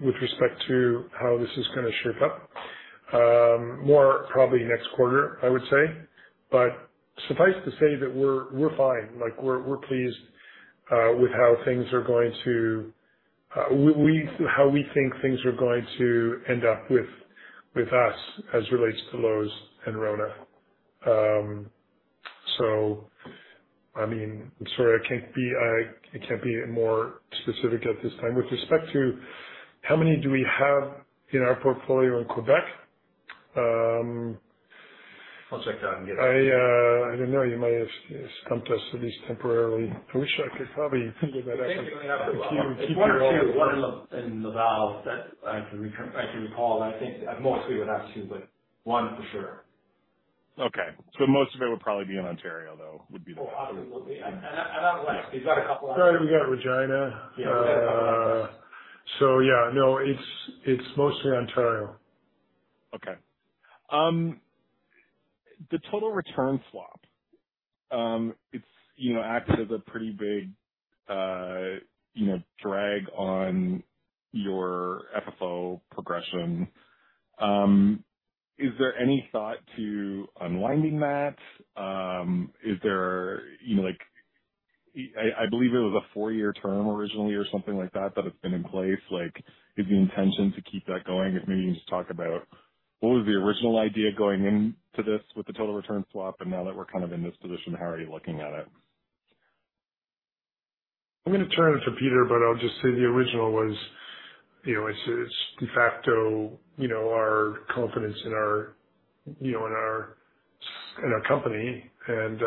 [SPEAKER 3] with respect to how this is gonna shape up. More probably next quarter, I would say, but suffice to say that we're, we're fine. Like, we're, we're pleased, with how things are going to, how we think things are going to end up with, with us as it relates to Lowe's and RONA. I mean, I'm sorry, I can't be, I, I can't be more specific at this time. With respect to how many do we have in our portfolio in Quebec?
[SPEAKER 9] I'll check that and get back.
[SPEAKER 3] I, I didn't know you might have, stumped us at least temporarily. I wish I could probably get that answer.
[SPEAKER 9] I think we only have 1 or 2. 1 in the, in Laval that I can recall. I think at most we would have 2, but 1 for sure.
[SPEAKER 8] Okay. Most of it would probably be in Ontario, though, would be the-
[SPEAKER 9] Oh, absolutely. Out west. We've got a couple out-
[SPEAKER 3] We got Regina.
[SPEAKER 9] Yeah.
[SPEAKER 3] Yeah. No, it's, it's mostly Ontario.
[SPEAKER 8] Okay. The total return swap, it's, you know, acts as a pretty big, you know, drag on your FFO progression. Is there any thought to unwinding that? Is there, you know, like I believe it was a four year term originally or something like that, that has been in place. Like, is the intention to keep that going? If maybe you can just talk about what was the original idea going into this with the total return swap, and now that we're kind of in this position, how are you looking at it?
[SPEAKER 3] I'm going to turn it to Peter. I'll just say the original was, you know, it's, it's de facto, you know, our confidence in our, you know, in our company, and,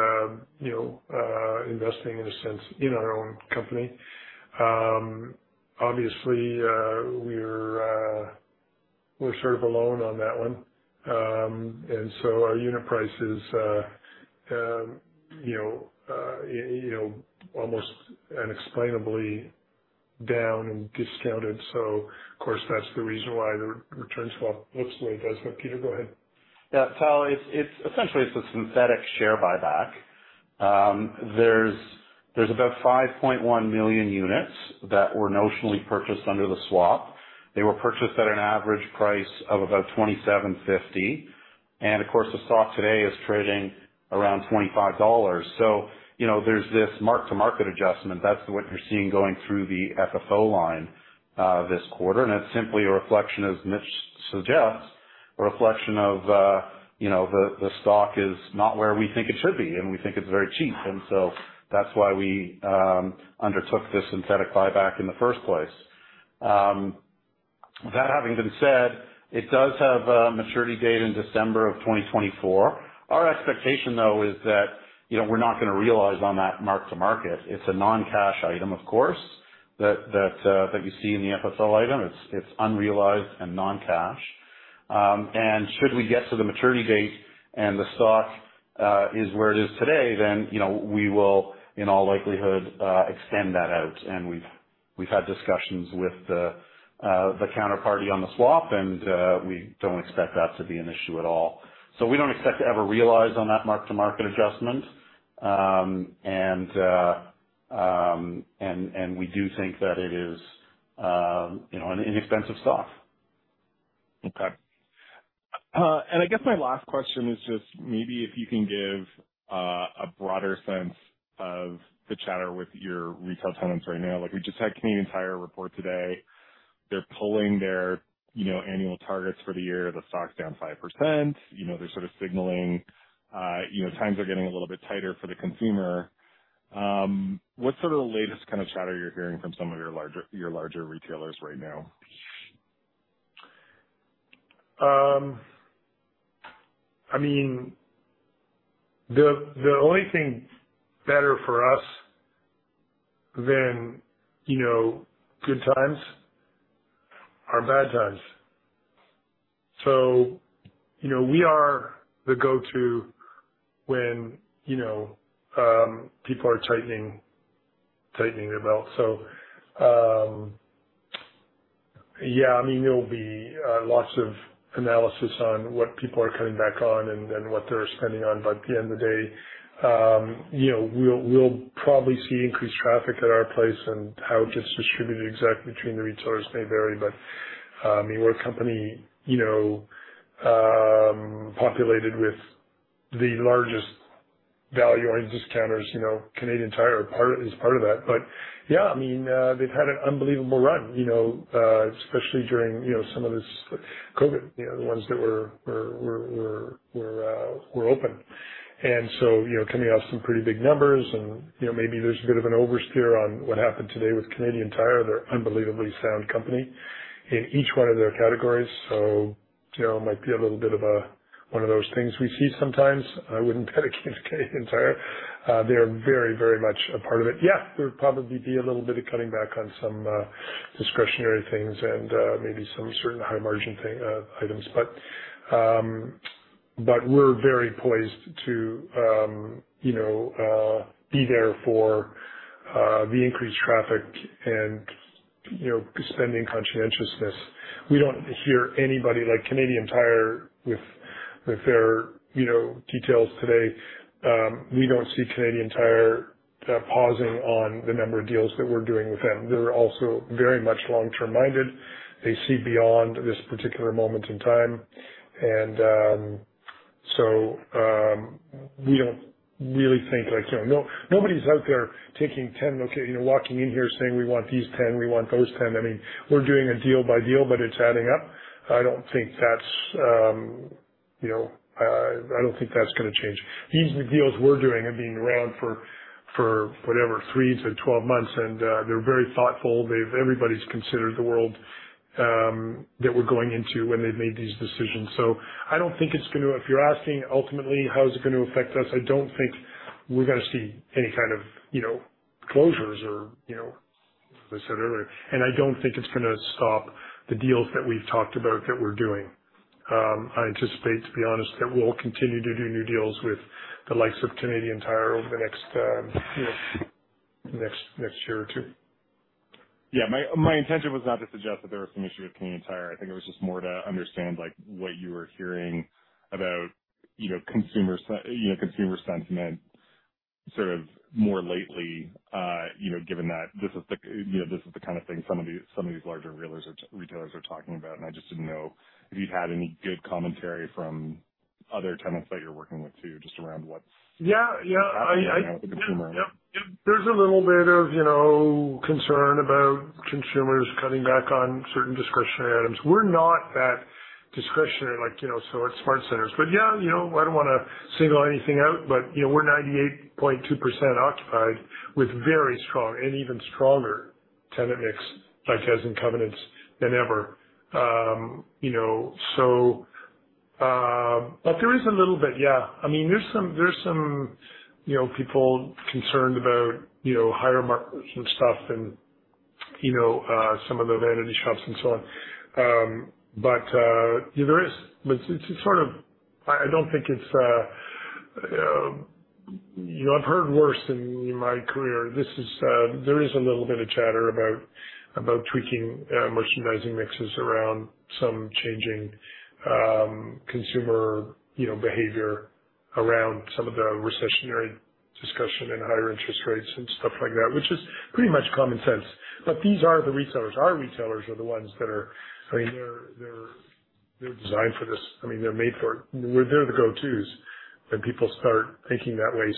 [SPEAKER 3] you know, investing in a sense in our own company. Obviously, we're, we're sort of alone on that one. Our unit price is, you know, almost unexplainably down and discounted. Of course, that's the reason why the return swap looks the way it does. Peter, go ahead.
[SPEAKER 2] Yeah, it's, it's essentially, it's a synthetic share buyback. There's, there's about 5.1 million units that were notionally purchased under the swap. They were purchased at an average price of about 27.50, and of course, the stock today is trading around 25 dollars. You know, there's this mark-to-market adjustment. That's what you're seeing going through the FFO line this quarter, and that's simply a reflection, as Mitch suggests, a reflection of, you know, the, the stock is not where we think it should be, and we think it's very cheap. That's why we undertook this synthetic buyback in the first place. That having been said, it does have a maturity date in December of 2024. Our expectation, though, is that, you know, we're not gonna realize on that mark-to-market. It's a non-cash item, of course, that, that, that you see in the FSL item. It's, it's unrealized and non-cash. Should we get to the maturity date and the stock is where it is today, then, you know, we will, in all likelihood, extend that out. We've, we've had discussions with the counterparty on the swap, and we don't expect that to be an issue at all. We don't expect to ever realize on that mark-to-market adjustment. And we do think that it is, you know, an inexpensive stock.
[SPEAKER 8] Okay. And I guess my last question is just maybe if you can give a broader sense of the chatter with your retail tenants right now. Like, we just had Canadian Tire report today. They're pulling their, you know, annual targets for the year. The stock's down 5%. You know, they're sort of signaling, you know, times are getting a little bit tighter for the consumer. What's sort of the latest kind of chatter you're hearing from some of your larger, your larger retailers right now?
[SPEAKER 3] I mean, the, the only thing better for us than, you know, good times are bad times. You know, we are the go-to when, you know, people are tightening, tightening their belt. Yeah, I mean, there will be lots of analysis on what people are cutting back on and, and what they're spending on, but at the end of the day, you know, we'll, we'll probably see increased traffic at our place, and how it gets distributed exactly between the retailers may vary. I mean, we're a company, you know, populated with the largest value-oriented discounters. You know, Canadian Tire is part of that. Yeah, I mean, they've had an unbelievable run, you know, especially during, you know, some of this COVID, you know, the ones that were, were, were, were, were, were open. You know, coming off some pretty big numbers and, you know, maybe there's a bit of an oversteer on what happened today with Canadian Tire. They're an unbelievably sound company in each one of their categories, so, you know, it might be a little bit of one of those things we see sometimes. I wouldn't count out Canadian Tire. They are very, very much a part of it. Yeah, there would probably be a little bit of cutting back on some discretionary things and maybe some certain high margin thing, items. But we're very poised to, you know, be there for the increased traffic and, you know, spending conscientiousness. We don't hear anybody like Canadian Tire with, with their, you know, details today. We don't see Canadian Tire pausing on the number of deals that we're doing with them. They're also very much long-term minded. They see beyond this particular moment in time, and so we don't really think, like, you know, nobody's out there taking 10... Okay, you know, walking in here saying, "We want these 10, we want those 10." I mean, we're doing it deal by deal, but it's adding up. I don't think that's, you know, I don't think that's gonna change. These deals we're doing have been around for, for whatever, three to 12 months, and they're very thoughtful. They've everybody's considered the world that we're going into when they've made these decisions. I don't think it's gonna... If you're asking ultimately how is it gonna affect us, I don't think we're gonna see any kind of, you know, closures or, you know, as I said earlier. I don't think it's gonna stop the deals that we've talked about that we're doing. I anticipate, to be honest, that we'll continue to do new deals with the likes of Canadian Tire over the next, you know, next, next year or two.
[SPEAKER 8] Yeah, my, my intention was not to suggest that there was some issue with Canadian Tire. I think it was just more to understand, like, what you were hearing about, you know, consumer se- you know, consumer sentiment sort of more lately, you know, given that this is the, you know, this is the kind of thing some of these, some of these larger retailers, retailers are talking about, and I just didn't know if you'd had any good commentary from other tenants that you're working with, too, just around what...
[SPEAKER 3] Yeah, yeah.
[SPEAKER 8] I.
[SPEAKER 3] Yep. Yep. There's a little bit of, you know, concern about consumers cutting back on certain discretionary items. We're not that discretionary, like, you know, so at SmartCentres. Yeah, you know, I don't want to single anything out, but, you know, we're 98.2% occupied with very strong and even stronger tenant mix, like, as in covenants than ever. You know, so there is a little bit, yeah. I mean, there's some, there's some, you know, people concerned about, you know, higher markets and stuff and, you know, some of the vanity shops and so on. There is, but it's sort of I, I don't think it's, you know, I've heard worse in my career. This is, there is a little bit of chatter about, about tweaking, merchandising mixes around some changing, consumer, you know, behavior around some of the recessionary discussion and higher interest rates and stuff like that, which is pretty much common sense. These are the retailers. Our retailers are the ones that are... I mean, they're, they're, they're designed for this. I mean, they're made for it. They're the go-tos when people start thinking that way.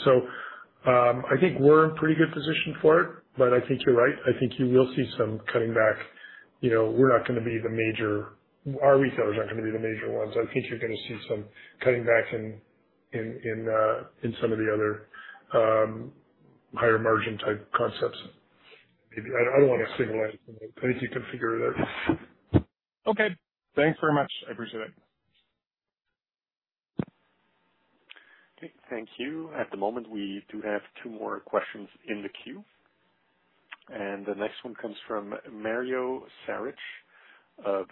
[SPEAKER 3] I think we're in pretty good position for it, but I think you're right. I think you will see some cutting back. You know, we're not gonna be the major-- our retailers are not gonna be the major ones. I think you're gonna see some cutting back in, in, in, in some of the other, higher margin type concepts. Maybe I, I don't want to single out, but I think you can figure it out.
[SPEAKER 8] Okay, thanks very much. I appreciate it.
[SPEAKER 1] Okay. Thank you. At the moment, we do have two more questions in the queue, and the next one comes from Mario Saric of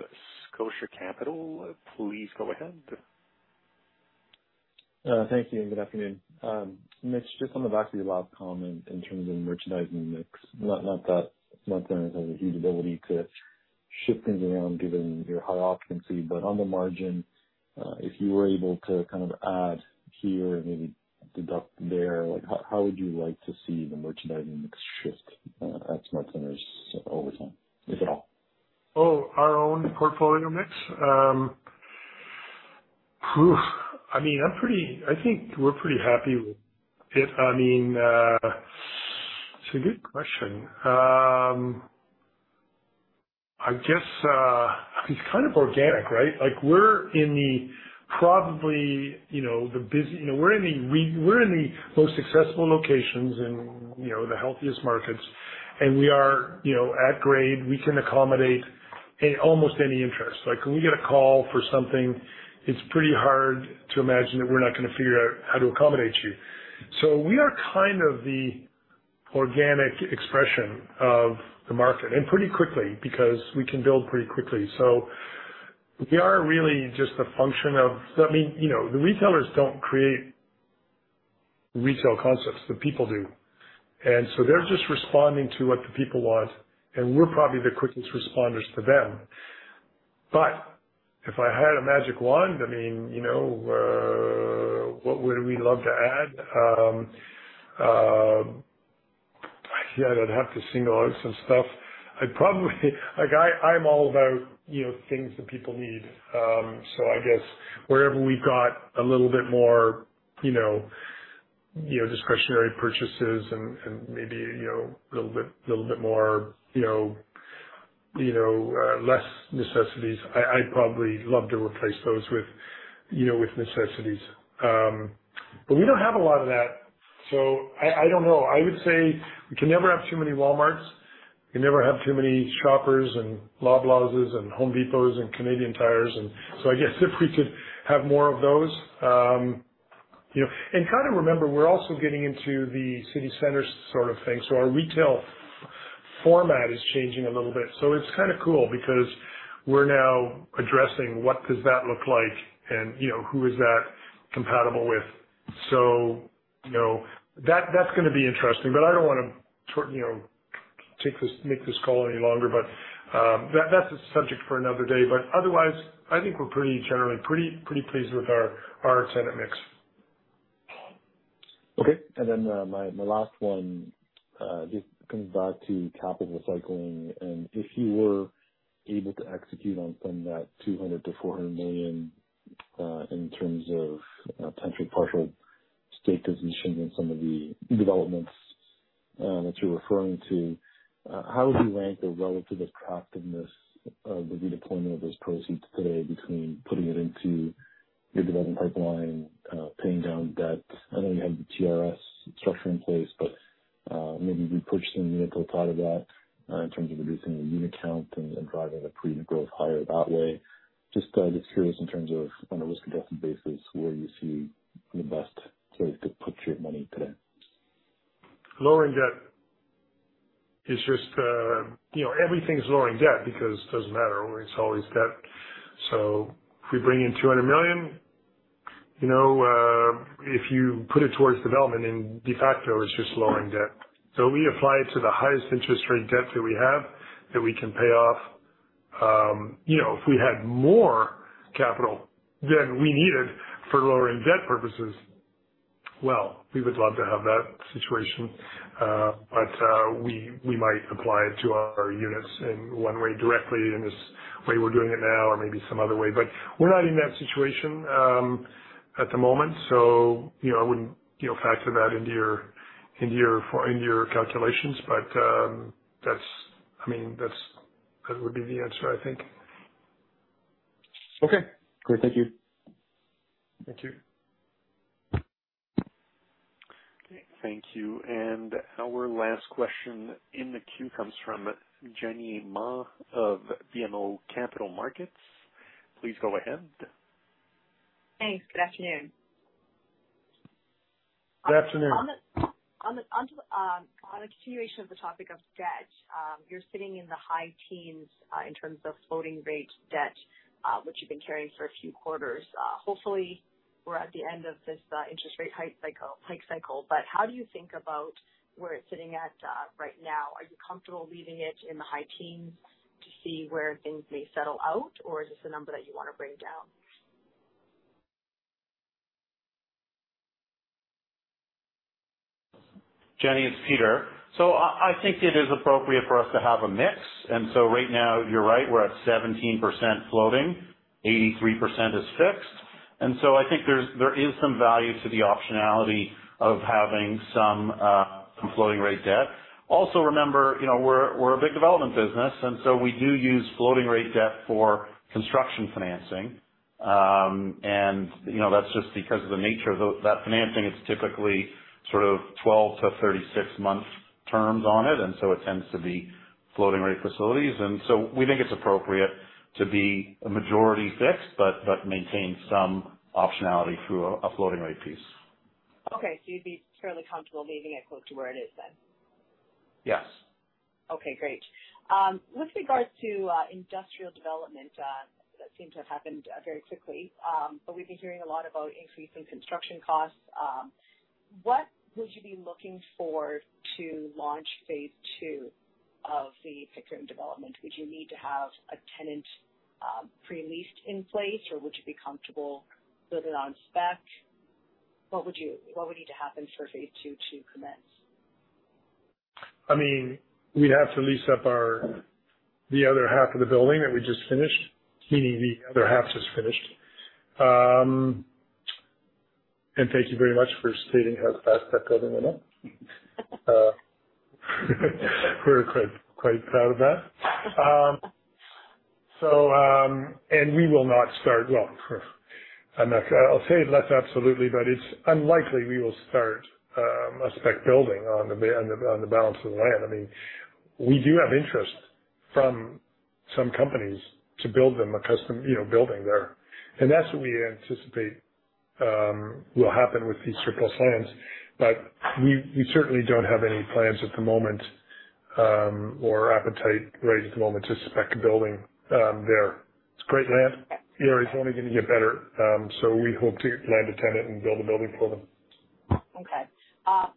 [SPEAKER 1] Scotiabank Capital. Please go ahead.
[SPEAKER 10] Thank you, good afternoon. Mitch, just on the back of your last comment in terms of merchandising mix, not, not that, not that has the ability to shift things around given your high occupancy, but on the margin, if you were able to kind of add here and maybe deduct there, like, how, how would you like to see the merchandising mix shift at SmartCentres over time, if at all?
[SPEAKER 3] Oh, our own portfolio mix? I mean, I'm pretty, I think we're pretty happy with it. I mean, it's a good question. I guess, it's kind of organic, right? Like, we're in the probably, you know, the busy, you know, we're in the we're in the most successful locations and, you know, the healthiest markets, and we are, you know, at grade. We can accommodate almost any interest. Like, when we get a call for something, it's pretty hard to imagine that we're not gonna figure out how to accommodate you. We are kind of the organic expression of the market, and pretty quickly, because we can build pretty quickly. We are really just a function of, I mean, you know, the retailers don't create retail concepts, the people do. So they're just responding to what the people want, and we're probably the quickest responders to them. If I had a magic wand, I mean, you know, what would we love to add? Yeah, I'd have to single out some stuff. I'd probably, like, I, I'm all about, you know, things that people need. So I guess wherever we've got a little bit more, you know, you know, discretionary purchases and, and maybe, you know, a little bit, little bit more, you know, you know, less necessities, I, I'd probably love to replace those with, you know, with necessities. But we don't have a lot of that, so I, I don't know. I would say we can never have too many Walmarts. We can never have too many Shoppers and Loblaws's and Home Depots and Canadian Tires, and so I guess if we could have more of those, you know. Kind of remember, we're also getting into the city center sort of thing, so our retail format is changing a little bit. It's kind of cool because we're now addressing what does that look like and, you know, who is that compatible with? You know, that, that's gonna be interesting, but I don't want to turn, you know, take this, make this call any longer. That's a subject for another day. Otherwise, I think we're pretty, generally pretty, pretty pleased with our, our tenant mix.
[SPEAKER 10] Okay. My last one, just coming back to capital cycling, and if you were able to execute on some of that 200 million-400 million in terms of, you know, potential partial stake positions in some of the developments that you're referring to, how would you rank the relative attractiveness of the redeployment of those proceeds today between putting it into the development pipeline, paying down debt? I know you have the TRS structure in place, maybe repurchasing the unit hold part of that in terms of reducing the unit count and driving the pre-growth higher that way. Just curious in terms of, on a risk-adjusted basis, where you see the best place to put your money today?
[SPEAKER 3] Lowering debt is just, you know, everything's lowering debt because it doesn't matter, it's always debt. If we bring in 200 million, you know, if you put it towards development, then de facto, it's just lowering debt. We apply it to the highest interest rate debts that we have, that we can pay off. You know, if we had more capital than we needed for lowering debt purposes, well, we would love to have that situation. We, we might apply it to our units in one way, directly, in this way we're doing it now, or maybe some other way. We're not in that situation, at the moment, so, you know, I wouldn't, you know, factor that into your, in your, in your calculations. I mean, that's, that would be the answer, I think.
[SPEAKER 10] Okay. Great. Thank you.
[SPEAKER 3] Thank you.
[SPEAKER 1] Thank you. Our last question in the queue comes from Jenny Ma of BMO Capital Markets. Please go ahead.
[SPEAKER 11] Thanks. Good afternoon.
[SPEAKER 3] Good afternoon.
[SPEAKER 11] On the, on the, on the, on a continuation of the topic of debt, you're sitting in the high teens in terms of floating rate debt, which you've been carrying for a few quarters. Hopefully, we're at the end of this interest rate hike cycle, hike cycle. How do you think about where it's sitting at right now? Are you comfortable leaving it in the high teens to see where things may settle out, or is this a number that you want to bring down?
[SPEAKER 2] Jenny, it's Peter. I think it is appropriate for us to have a mix, and so right now, you're right, we're at 17% floating. 83% is fixed. I think there's, there is some value to the optionality of having some floating rate debt. Also, remember, you know, we're, we're a big development business, and so we do use floating rate debt for construction financing. You know, that's just because of the nature of that financing. It's typically sort of 12-36 month terms on it, and so it tends to be floating rate facilities. We think it's appropriate to be a majority fixed, but, but maintain some optionality through a, a floating rate piece.
[SPEAKER 11] Okay, you'd be fairly comfortable leaving it close to where it is then?
[SPEAKER 2] Yes.
[SPEAKER 11] Okay, great. With regards to industrial development, that seemed to have happened very quickly, but we've been hearing a lot about increasing construction costs. What would you be looking for to launch phase II of the Le Vistoria development? Would you need to have a tenant, pre-leased in place, or would you be comfortable building on spec? What would need to happen for phase two to commence?
[SPEAKER 3] I mean, we'd have to lease up our the other half of the building that we just finished, meaning the other half just finished. Thank you very much for stating how fast that goes went up. We're quite, quite proud of that. We will not start. Well, I'm not- I'll say less absolutely, but it's unlikely we will start a spec building on the balance of the land. I mean, we do have interest from some companies to build them a custom, you know, building there. That's what we anticipate will happen with these TRIP lands. We, we certainly don't have any plans at the moment or appetite right at the moment to spec a building there. It's great land. Area's only going to get better. We hope to land a tenant and build a building for them.
[SPEAKER 11] Okay.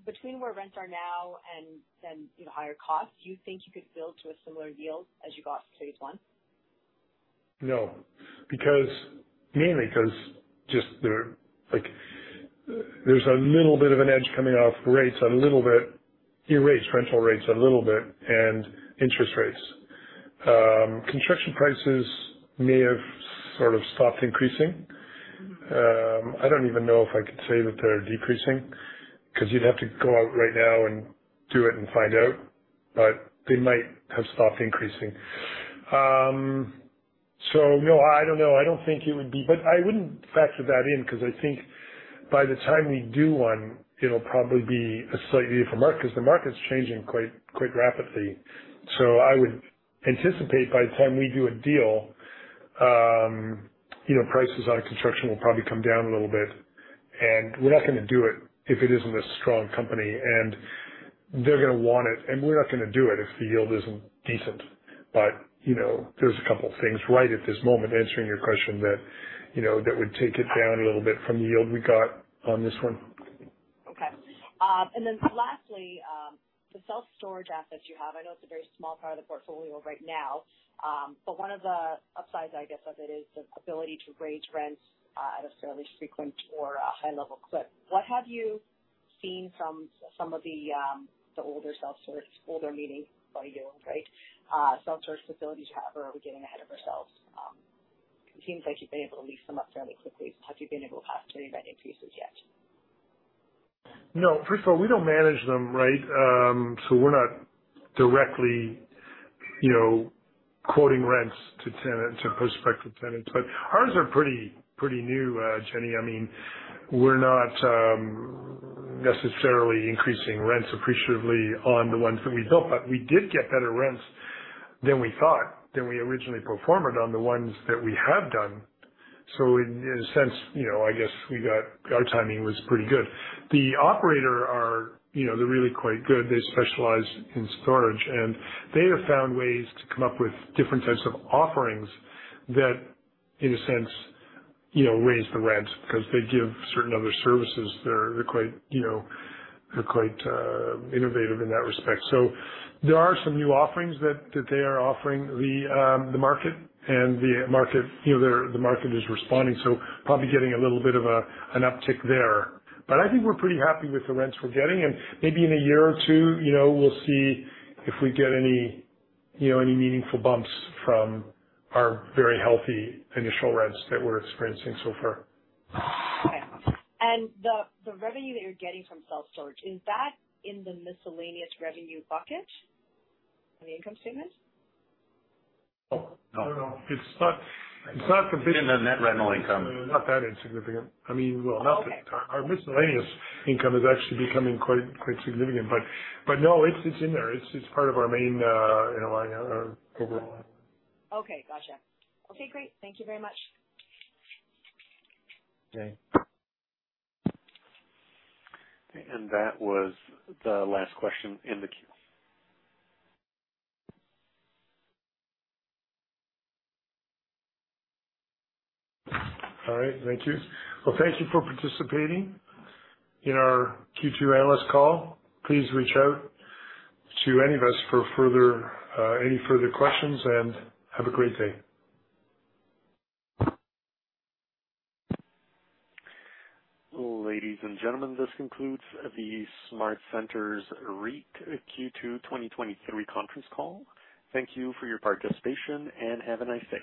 [SPEAKER 11] Between where rents are now and, you know, higher costs, do you think you could build to a similar yield as you got to phase I?
[SPEAKER 3] No, because mainly because just there, like, there's a little bit of an edge coming off rates, a little bit, Year rates, rental rates, a little bit, and interest rates. Construction prices may have sort of stopped increasing. I don't even know if I could say that they're decreasing, because you'd have to go out right now and do it and find out, but they might have stopped increasing. No, I don't know. I don't think it would be, but I wouldn't factor that in, because I think by the time we do one, it'll probably be a slightly different market, because the market's changing quite, quite rapidly. I would anticipate by the time we do a deal, you know, prices on construction will probably come down a little bit. We're not going to do it if it isn't a strong company, and they're going to want it, and we're not going to do it if the yield isn't decent. You know, there's a couple things right at this moment, answering your question, that, you know, that would take it down a little bit from the yield we got on this one.
[SPEAKER 11] Okay. Then lastly, the self-storage assets you have, I know it's a very small part of the portfolio right now, but one of the upsides, I guess, of it is the ability to raise rents, at a fairly frequent or a high level clip. What have you seen from some of the, the older self-storage, older meaning by you, right? Self-storage facilities you have, or are we getting ahead of ourselves? It seems like you've been able to lease them up fairly quickly. Have you been able to pass through any rent increases yet?
[SPEAKER 3] No. First of all, we don't manage them right, we're not directly, you know, quoting rents to tenants or prospective tenants, but ours are pretty, pretty new, Jenny. I mean, we're not necessarily increasing rents appreciatively on the ones that we built, but we did get better rents than we thought, than we originally pro forma-ed on the ones that we have done. In, in a sense, you know, I guess we got-- our timing was pretty good. The operator are, you know, they're really quite good. They specialize in storage, and they have found ways to come up with different types of offerings that, in a sense, you know, raise the rent because they give certain other services. They're, they're quite, you know, they're quite innovative in that respect. There are some new offerings that, that they are offering the market, and the market, you know, the market is responding, so probably getting a little bit of an uptick there. I think we're pretty happy with the rents we're getting, and maybe in a year or 2, you know, we'll see if we get any, you know, any meaningful bumps from our very healthy initial rents that we're experiencing so far.
[SPEAKER 11] Okay. The, the revenue that you're getting from self-storage, is that in the miscellaneous revenue bucket on the income statement?
[SPEAKER 3] No, no, it's not. It's not-
[SPEAKER 2] In the net rental income.
[SPEAKER 3] Not that insignificant. I mean, well-
[SPEAKER 11] Okay.
[SPEAKER 3] Our miscellaneous income is actually becoming quite, quite significant, but, but no, it's, it's in there. It's, it's part of our main, you know, our...
[SPEAKER 11] Okay, gotcha. Okay, great. Thank you very much.
[SPEAKER 2] Okay.
[SPEAKER 1] That was the last question in the queue.
[SPEAKER 3] All right. Thank you. Well, thank you for participating in our Q2 analyst call. Please reach out to any of us for further, any further questions. Have a great day.
[SPEAKER 1] Ladies and gentlemen, this concludes the SmartCentres REIT Q2 2023 conference call. Thank you for your participation, and have a nice day.